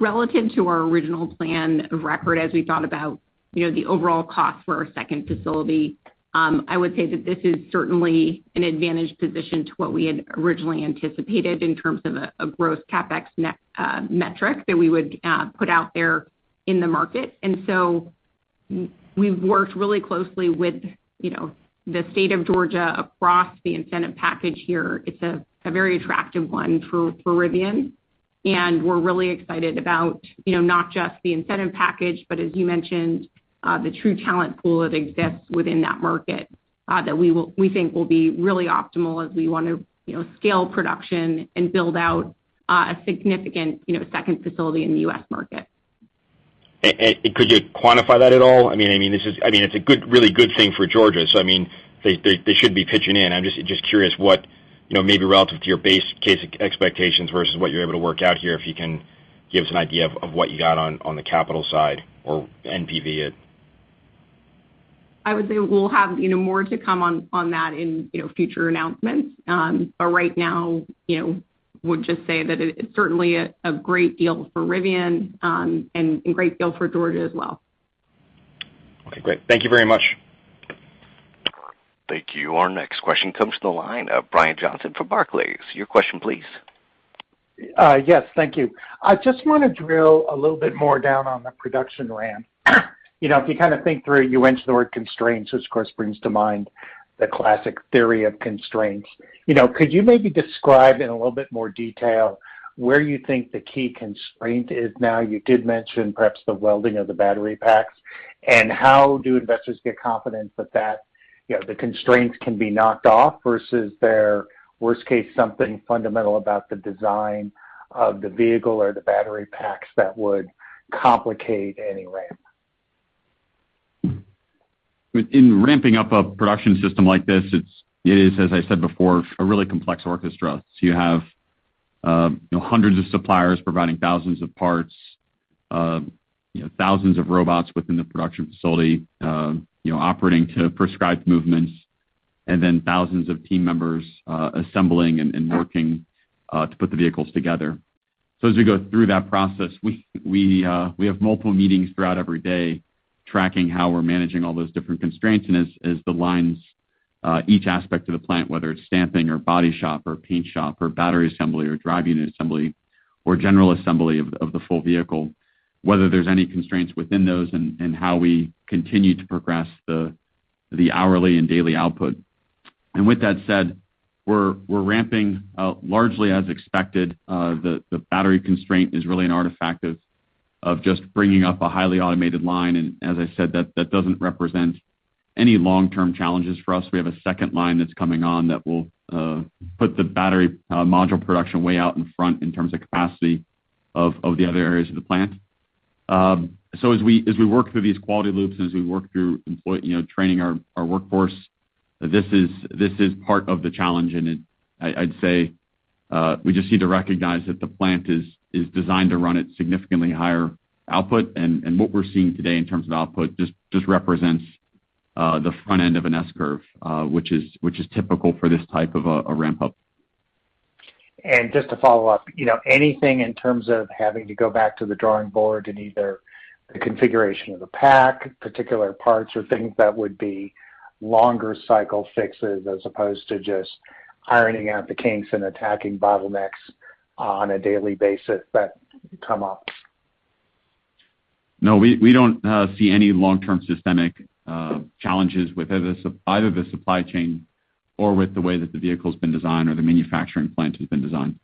Relative to our original plan record, as we thought about, you know, the overall cost for our second facility, I would say that this is certainly an advantage position to what we had originally anticipated in terms of a gross CapEx metric that we would put out there in the market. We've worked really closely with, you know, the state of Georgia across the incentive package here. It's a very attractive one for Rivian, and we're really excited about, you know, not just the incentive package, but as you mentioned, the true talent pool that exists within that market, that we think will be really optimal as we wanna, you know, scale production and build out, a significant, you know, second facility in the U.S. market. Could you quantify that at all? I mean, I mean, this is—I mean, it's a good, really good thing for Georgia, so I mean, they should be pitching in. I'm just curious what, you know, maybe relative to your base case expectations versus what you're able to work out here, if you can give us an idea of what you got on the capital side or NPV it. I would say we'll have, you know, more to come on that in, you know, future announcements. But right now, you know, would just say that it is certainly a great deal for Rivian, and a great deal for Georgia as well. Okay, great. Thank you very much. Thank you. Our next question comes to the line of Brian Johnson from Barclays. Your question, please. Yes, thank you. I just wanna drill a little bit more down on the production ramp. You know, if you kinda think through, you mentioned the word constraints, which of course brings to mind the classic theory of constraints. You know, could you maybe describe in a little bit more detail where you think the key constraint is now? You did mention perhaps the welding of the battery packs. How do investors get confidence that that, you know, the constraints can be knocked off versus their worst case, something fundamental about the design of the vehicle or the battery packs that would complicate any ramp? In ramping up a production system like this, it is, as I said before, a really complex orchestra. You have you know, hundreds of suppliers providing thousands of parts, you know, thousands of robots within the production facility, you know, operating to prescribed movements, and then thousands of team members, assembling and working to put the vehicles together. As we go through that process, we have multiple meetings throughout every day tracking how we're managing all those different constraints. As the lines, each aspect of the plant, whether it's stamping or body shop or paint shop or battery assembly or drive unit assembly or general assembly of the full vehicle, whether there's any constraints within those and how we continue to progress the hourly and daily output. With that said, we're ramping largely as expected. The battery constraint is really an artifact of just bringing up a highly automated line. As I said, that doesn't represent any long-term challenges for us. We have a second line that's coming on that will put the battery module production way out in front in terms of capacity of the other areas of the plant. As we work through these quality loops and as we work through training our workforce, you know, this is part of the challenge. I'd say we just need to recognize that the plant is designed to run at significantly higher output. What we're seeing today in terms of output just represents the front end of an S curve, which is typical for this type of a ramp up. Just to follow up, you know, anything in terms of having to go back to the drawing board in either the configuration of the pack, particular parts or things that would be longer cycle fixes as opposed to just ironing out the kinks and attacking bottlenecks on a daily basis that come up? No, we don't see any long-term systemic challenges with either the supply chain or with the way that the vehicle's been designed or the manufacturing plant has been designed.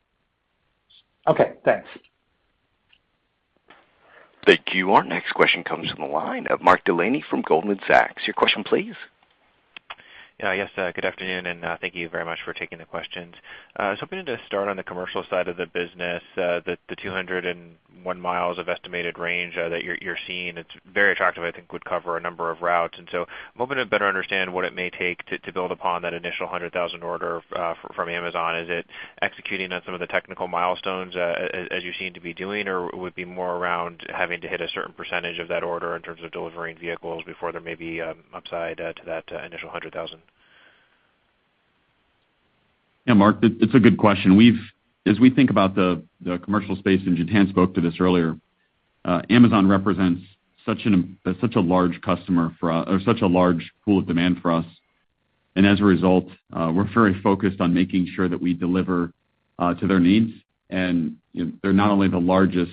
Okay, thanks. Thank you. Our next question comes from the line of Mark Delaney from Goldman Sachs. Your question please. Good afternoon, and thank you very much for taking the questions. I was hoping to start on the commercial side of the business, the 201 mi of estimated range that you're seeing. It's very attractive, I think would cover a number of routes. I'm hoping to better understand what it may take to build upon that initial 100,000 order from Amazon. Is it executing on some of the technical milestones as you seem to be doing? Or would be more around having to hit a certain percentage of that order in terms of delivering vehicles before there may be upside to that initial 100,000? Yeah, Mark, it's a good question. As we think about the commercial space, and Jiten spoke to this earlier, Amazon represents such a large customer for or such a large pool of demand for us. As a result, we're very focused on making sure that we deliver to their needs. You know, they're not only the largest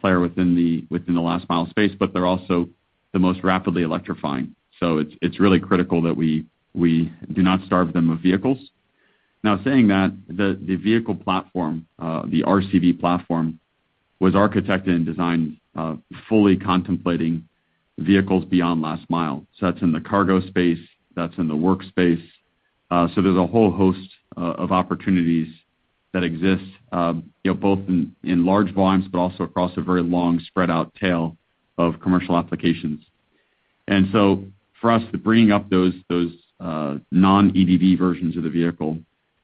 player within the last mile space, but they're also the most rapidly electrifying. It's really critical that we do not starve them of vehicles. Now, saying that, the vehicle platform, the RCV platform was architected and designed fully contemplating vehicles beyond last mile. That's in the cargo space, that's in the workspace. There's a whole host of opportunities that exist, you know, both in large volumes, but also across a very long spread out tail of commercial applications. For us, bringing up those non-EDV versions of the vehicle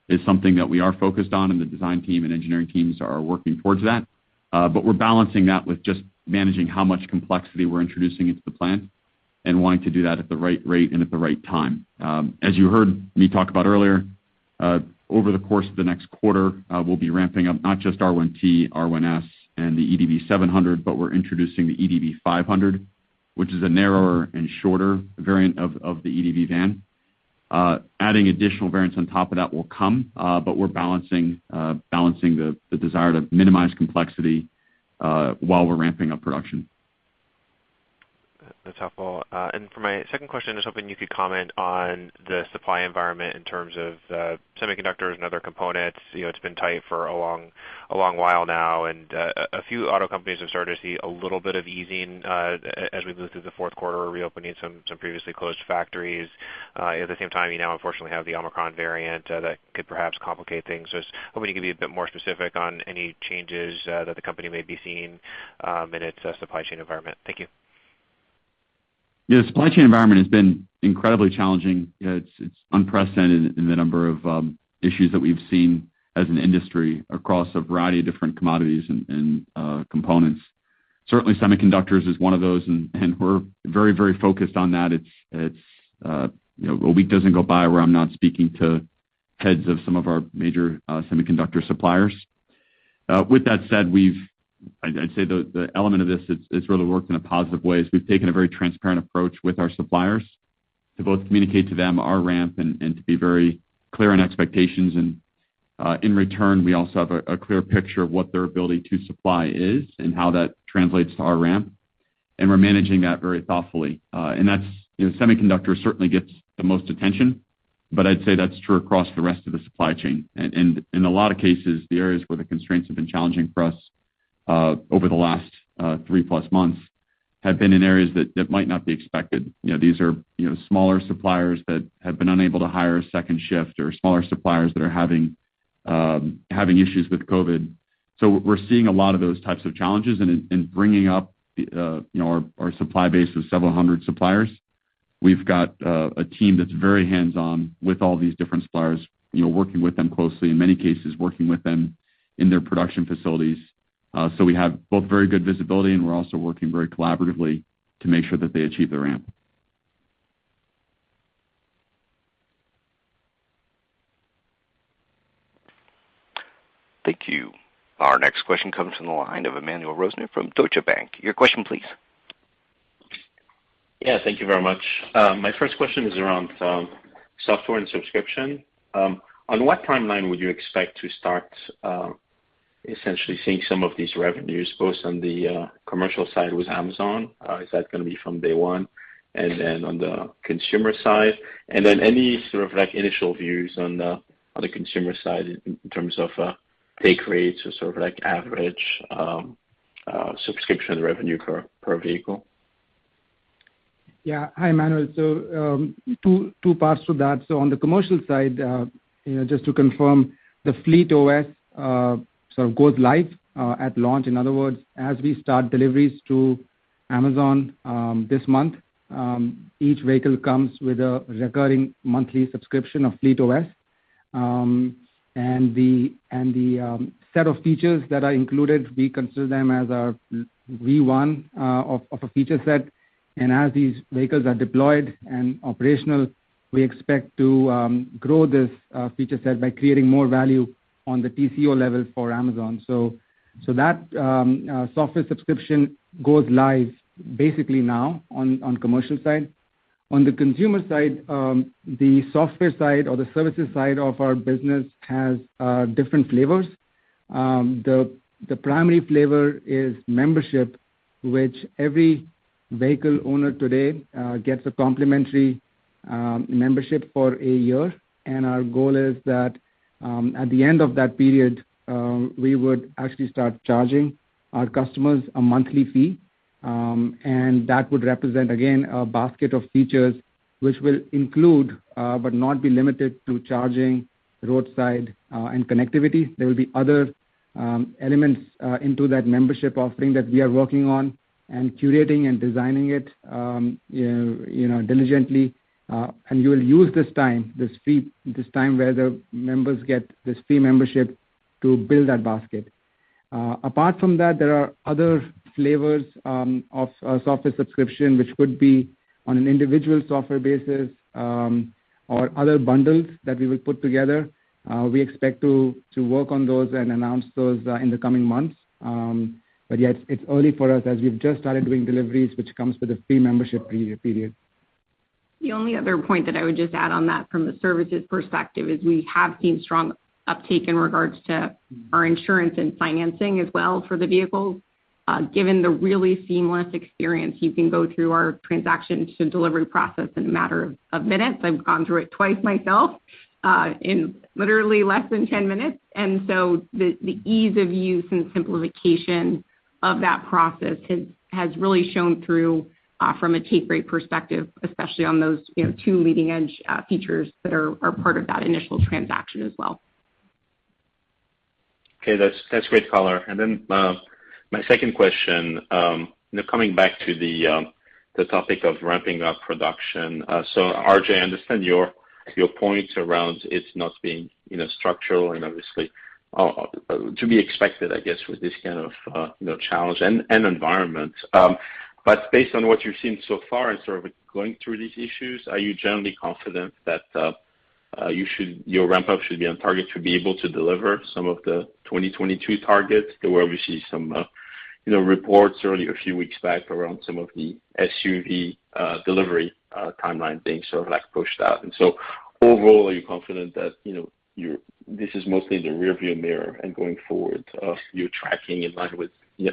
is something that we are focused on, and the design team and engineering teams are working towards that. We're balancing that with just managing how much complexity we're introducing into the plan and wanting to do that at the right rate and at the right time. As you heard me talk about earlier, over the course of the next quarter, we'll be ramping up not just R1T, R1S, and the EDV 700, but we're introducing the EDV 500, which is a narrower and shorter variant of the EDV van. Adding additional variants on top of that will come, but we're balancing the desire to minimize complexity while we're ramping up production. That's helpful. For my second question, I was hoping you could comment on the supply environment in terms of, semiconductors and other components. You know, it's been tight for a long while now, and a few auto companies have started to see a little bit of easing, as we move through the fourth quarter, reopening some previously closed factories. At the same time, you now unfortunately have the Omicron variant that could perhaps complicate things. Just hoping you can be a bit more specific on any changes that the company may be seeing, in its supply chain environment. Thank you. Yeah, the supply chain environment has been incredibly challenging. You know, it's unprecedented in the number of issues that we've seen as an industry across a variety of different commodities and components. Certainly, semiconductors is one of those, and we're very focused on that. It's you know, a week doesn't go by where I'm not speaking to heads of some of our major semiconductor suppliers. With that said, I'd say the element of this that's really worked in a positive way is we've taken a very transparent approach with our suppliers to both communicate to them our ramp and to be very clear on expectations. In return, we also have a clear picture of what their ability to supply is and how that translates to our ramp, and we're managing that very thoughtfully. That's, you know, semiconductor certainly gets the most attention, but I'd say that's true across the rest of the supply chain. In a lot of cases, the areas where the constraints have been challenging for us over the last three-plus months have been in areas that might not be expected. You know, these are smaller suppliers that have been unable to hire a second shift or smaller suppliers that are having issues with COVID. We're seeing a lot of those types of challenges. In bringing up you know our supply base of several hundred suppliers we've got a team that's very hands-on with all these different suppliers you know working with them closely in many cases working with them in their production facilities. We have both very good visibility and we're also working very collaboratively to make sure that they achieve their ramp. Thank you. Our next question comes from the line of Emmanuel Rosner from Deutsche Bank. Your question please. Yeah. Thank you very much. My first question is around software and subscription. On what timeline would you expect to start essentially seeing some of these revenues, both on the commercial side with Amazon? Is that gonna be from day one? On the consumer side. Any sort of like initial views on the consumer side in terms of take rates or sort of like average subscription revenue per vehicle? Hi, Emmanuel. Two parts to that. On the commercial side, just to confirm the FleetOS sort of goes live at launch. In other words, as we start deliveries to Amazon this month, each vehicle comes with a recurring monthly subscription of FleetOS. The set of features that are included, we consider them as a v1 of a feature set. As these vehicles are deployed and operational, we expect to grow this feature set by creating more value on the TCO level for Amazon. That software subscription goes live basically now on commercial side. On the consumer side, the software side or the services side of our business has different flavors. The primary flavor is membership, which every vehicle owner today gets a complimentary membership for a year, and our goal is that, at the end of that period, we would actually start charging our customers a monthly fee. That would represent, again, a basket of features which will include, but not be limited to charging roadside, and connectivity. There will be other elements into that membership offering that we are working on and curating and designing it, you know, diligently. You will use this time, this fee, this time where the members get this free membership to build that basket. Apart from that, there are other flavors of software subscription, which could be on an individual software basis, or other bundles that we will put together. We expect to work on those and announce those in the coming months. Yeah, it's early for us as we've just started doing deliveries, which comes with a free membership pre-period. The only other point that I would just add on that from the services perspective is we have seen strong uptake in regards to our insurance and financing as well for the vehicles. Given the really seamless experience, you can go through our transactions and delivery process in a matter of minutes. I've gone through it twice myself in literally less than 10 minutes. The ease of use and simplification of that process has really shown through from a take rate perspective, especially on those, you know, two leading-edge features that are part of that initial transaction as well. Okay, that's great color. My second question, coming back to the topic of ramping up production. RJ, I understand your point around it's not being structural and obviously to be expected with this kind of challenge and environment. Based on what you've seen so far and sort of going through these issues, are you generally confident that your ramp-up should be on target to be able to deliver some of the 2022 targets? There were obviously some reports early a few weeks back around some of the SUV delivery timeline being sort of pushed out. Overall, are you confident that, you know, this is mostly the rearview mirror and going forward, you're tracking in line with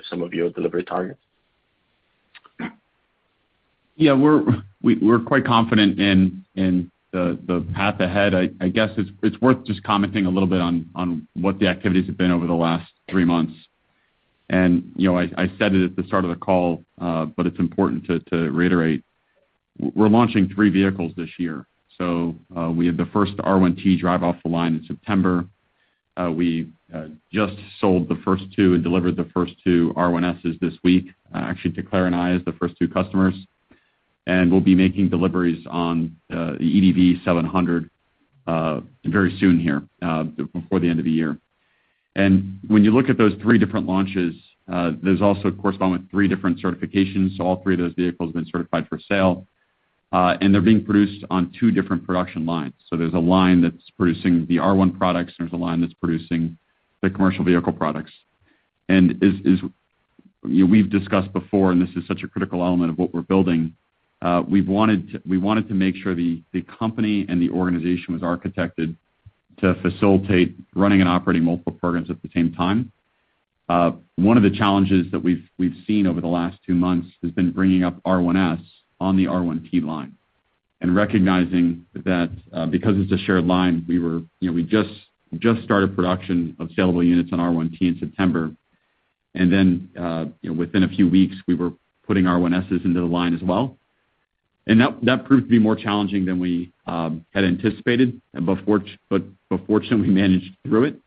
some of your delivery targets? Yeah, we're quite confident in the path ahead. I guess it's worth just commenting a little bit on what the activities have been over the last three months. You know, I said it at the start of the call, but it's important to reiterate. We're launching three vehicles this year. We had the first R1T drive off the line in September. We just sold the first two and delivered the first two R1S this week, actually to Claire and I as the first two customers. We'll be making deliveries on the EDV 700 very soon here before the end of the year. When you look at those three different launches, there's also corresponding three different certifications. All three of those vehicles have been certified for sale, and they're being produced on 2 different production lines. There's a line that's producing the R1 products, and there's a line that's producing the commercial vehicle products. As we've discussed before, and this is such a critical element of what we're building, we wanted to make sure the company and the organization was architected to facilitate running and operating multiple programs at the same time. One of the challenges that we've seen over the last two months has been bringing up R1S on the R1T line and recognizing that, because it's a shared line, we just started production of sellable units on R1T in September. Then, you know, within a few weeks, we were putting R1S's into the line as well. That proved to be more challenging than we had anticipated. Fortunately, we managed through it,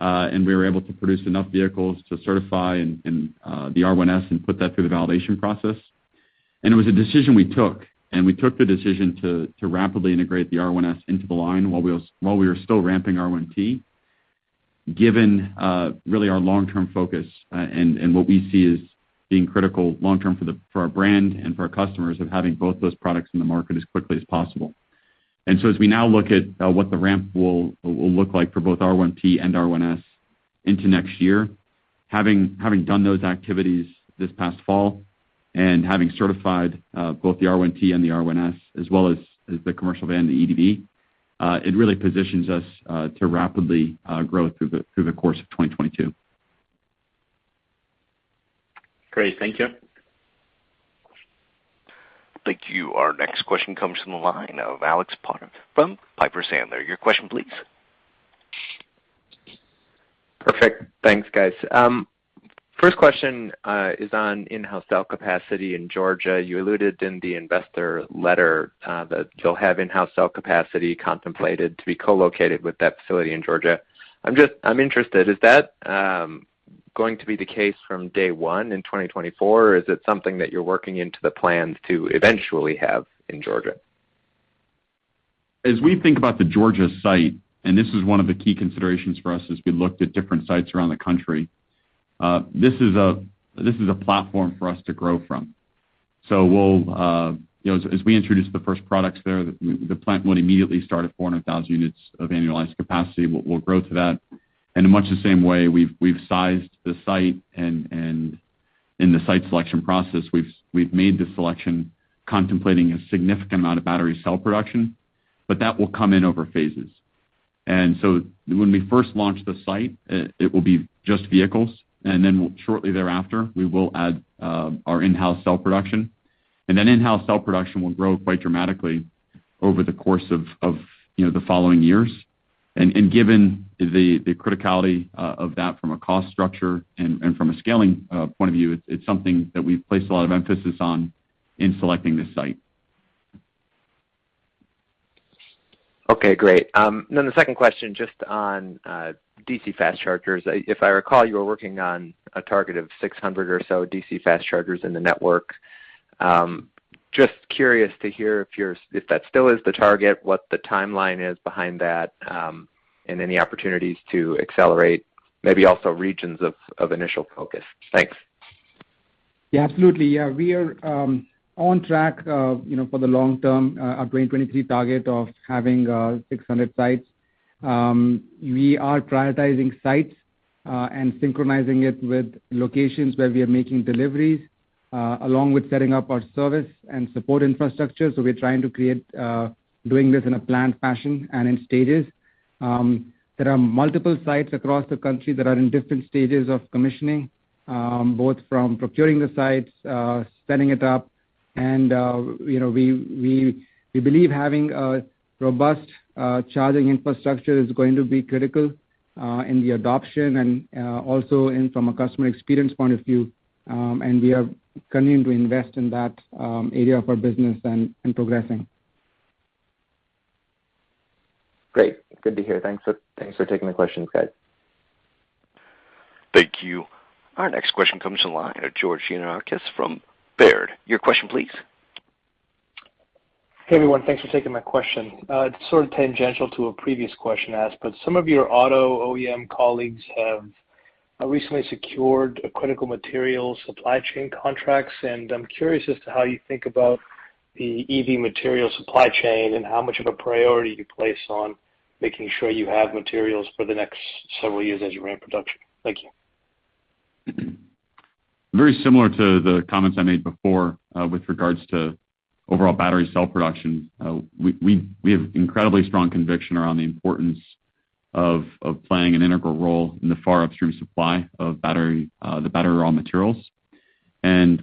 and we were able to produce enough vehicles to certify the R1S and put that through the validation process. It was a decision we took, the decision to rapidly integrate the R1S into the line while we were still ramping R1T, given really our long-term focus, and what we see as being critical long-term for our brand and for our customers of having both those products in the market as quickly as possible. As we now look at what the ramp will look like for both R1T and R1S into next year, having done those activities this past fall and having certified both the R1T and the R1S, as well as the commercial van, the EDV, it really positions us to rapidly grow through the course of 2022. Great. Thank you. Thank you. Our next question comes from the line of Alex Potter from Piper Sandler. Your question, please. Perfect. Thanks, guys. First question is on in-house cell capacity in Georgia. You alluded in the investor letter that you'll have in-house cell capacity contemplated to be co-located with that facility in Georgia. I'm interested, is that going to be the case from day one in 2024, or is it something that you're working into the plans to eventually have in Georgia? As we think about the Georgia site, and this is one of the key considerations for us as we looked at different sites around the country, this is a platform for us to grow from. We'll, you know, as we introduce the first products there, the plant would immediately start at 400,000 units of annualized capacity. We'll grow to that. In much the same way we've sized the site and in the site selection process, we've made the selection contemplating a significant amount of battery cell production, but that will come in over phases. When we first launch the site, it will be just vehicles, and then shortly thereafter, we will add our in-house cell production. In-house cell production will grow quite dramatically over the course of, you know, the following years. Given the criticality of that from a cost structure and from a scaling point of view, it's something that we've placed a lot of emphasis on in selecting this site. Okay, great. The second question, just on DC fast chargers. If I recall, you were working on a target of 600 or so DC fast chargers in the network. Just curious to hear if that still is the target, what the timeline is behind that, and any opportunities to accelerate, maybe also regions of initial focus. Thanks. Yeah, absolutely. Yeah, we are on track, you know, for the long term, our 2023 target of having 600 sites. We are prioritizing sites and synchronizing it with locations where we are making deliveries, along with setting up our service and support infrastructure. We're trying to create doing this in a planned fashion and in stages. There are multiple sites across the country that are in different stages of commissioning, both from procuring the sites, setting it up, and, you know, we believe having a robust charging infrastructure is going to be critical in the adoption and also in from a customer experience point of view. We are continuing to invest in that area of our business and progressing. Great. Good to hear. Thanks for taking the questions, guys. Thank you. Our next question comes to the line, George Gianarikas from Baird. Your question please. Hey, everyone. Thanks for taking my question. Sort of tangential to a previous question asked, some of your auto OEM colleagues have recently secured critical material supply chain contracts, and I'm curious as to how you think about the EV material supply chain and how much of a priority you place on making sure you have materials for the next several years as you ramp production. Thank you. Very similar to the comments I made before, with regards to overall battery cell production. We have incredibly strong conviction around the importance of playing an integral role in the far upstream supply of battery, the battery raw materials.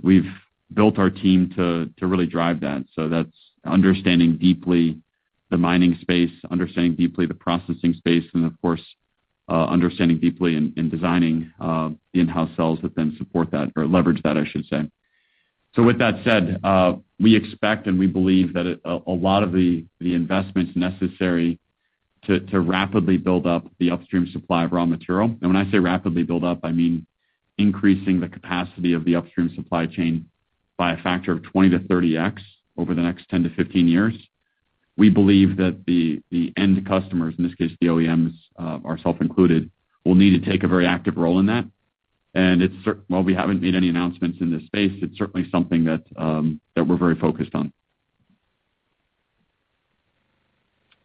We've built our team to really drive that. That's understanding deeply the mining space, understanding deeply the processing space, and of course, understanding deeply and designing the in-house cells that then support that or leverage that, I should say. With that said, we expect and we believe that a lot of the investments necessary to rapidly build up the upstream supply of raw material. When I say rapidly build up, I mean increasing the capacity of the upstream supply chain by a factor of 20-30x over the next 10-15 years. We believe that the end customers, in this case, the OEMs, ourselves included, will need to take a very active role in that. While we haven't made any announcements in this space, it's certainly something that we're very focused on.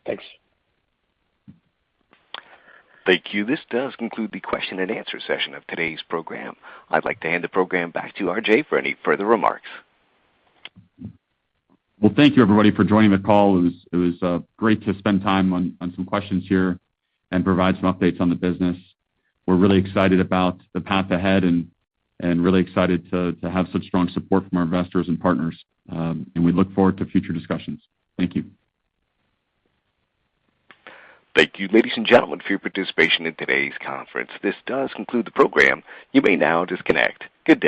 Thanks. Thank you. This does conclude the question and answer session of today's program. I'd like to hand the program back to RJ for any further remarks. Well, thank you, everybody, for joining the call. It was great to spend time on some questions here and provide some updates on the business. We're really excited about the path ahead and really excited to have such strong support from our investors and partners. We look forward to future discussions. Thank you. Thank you, ladies and gentlemen, for your participation in today's conference. This does conclude the program. You may now disconnect. Good day.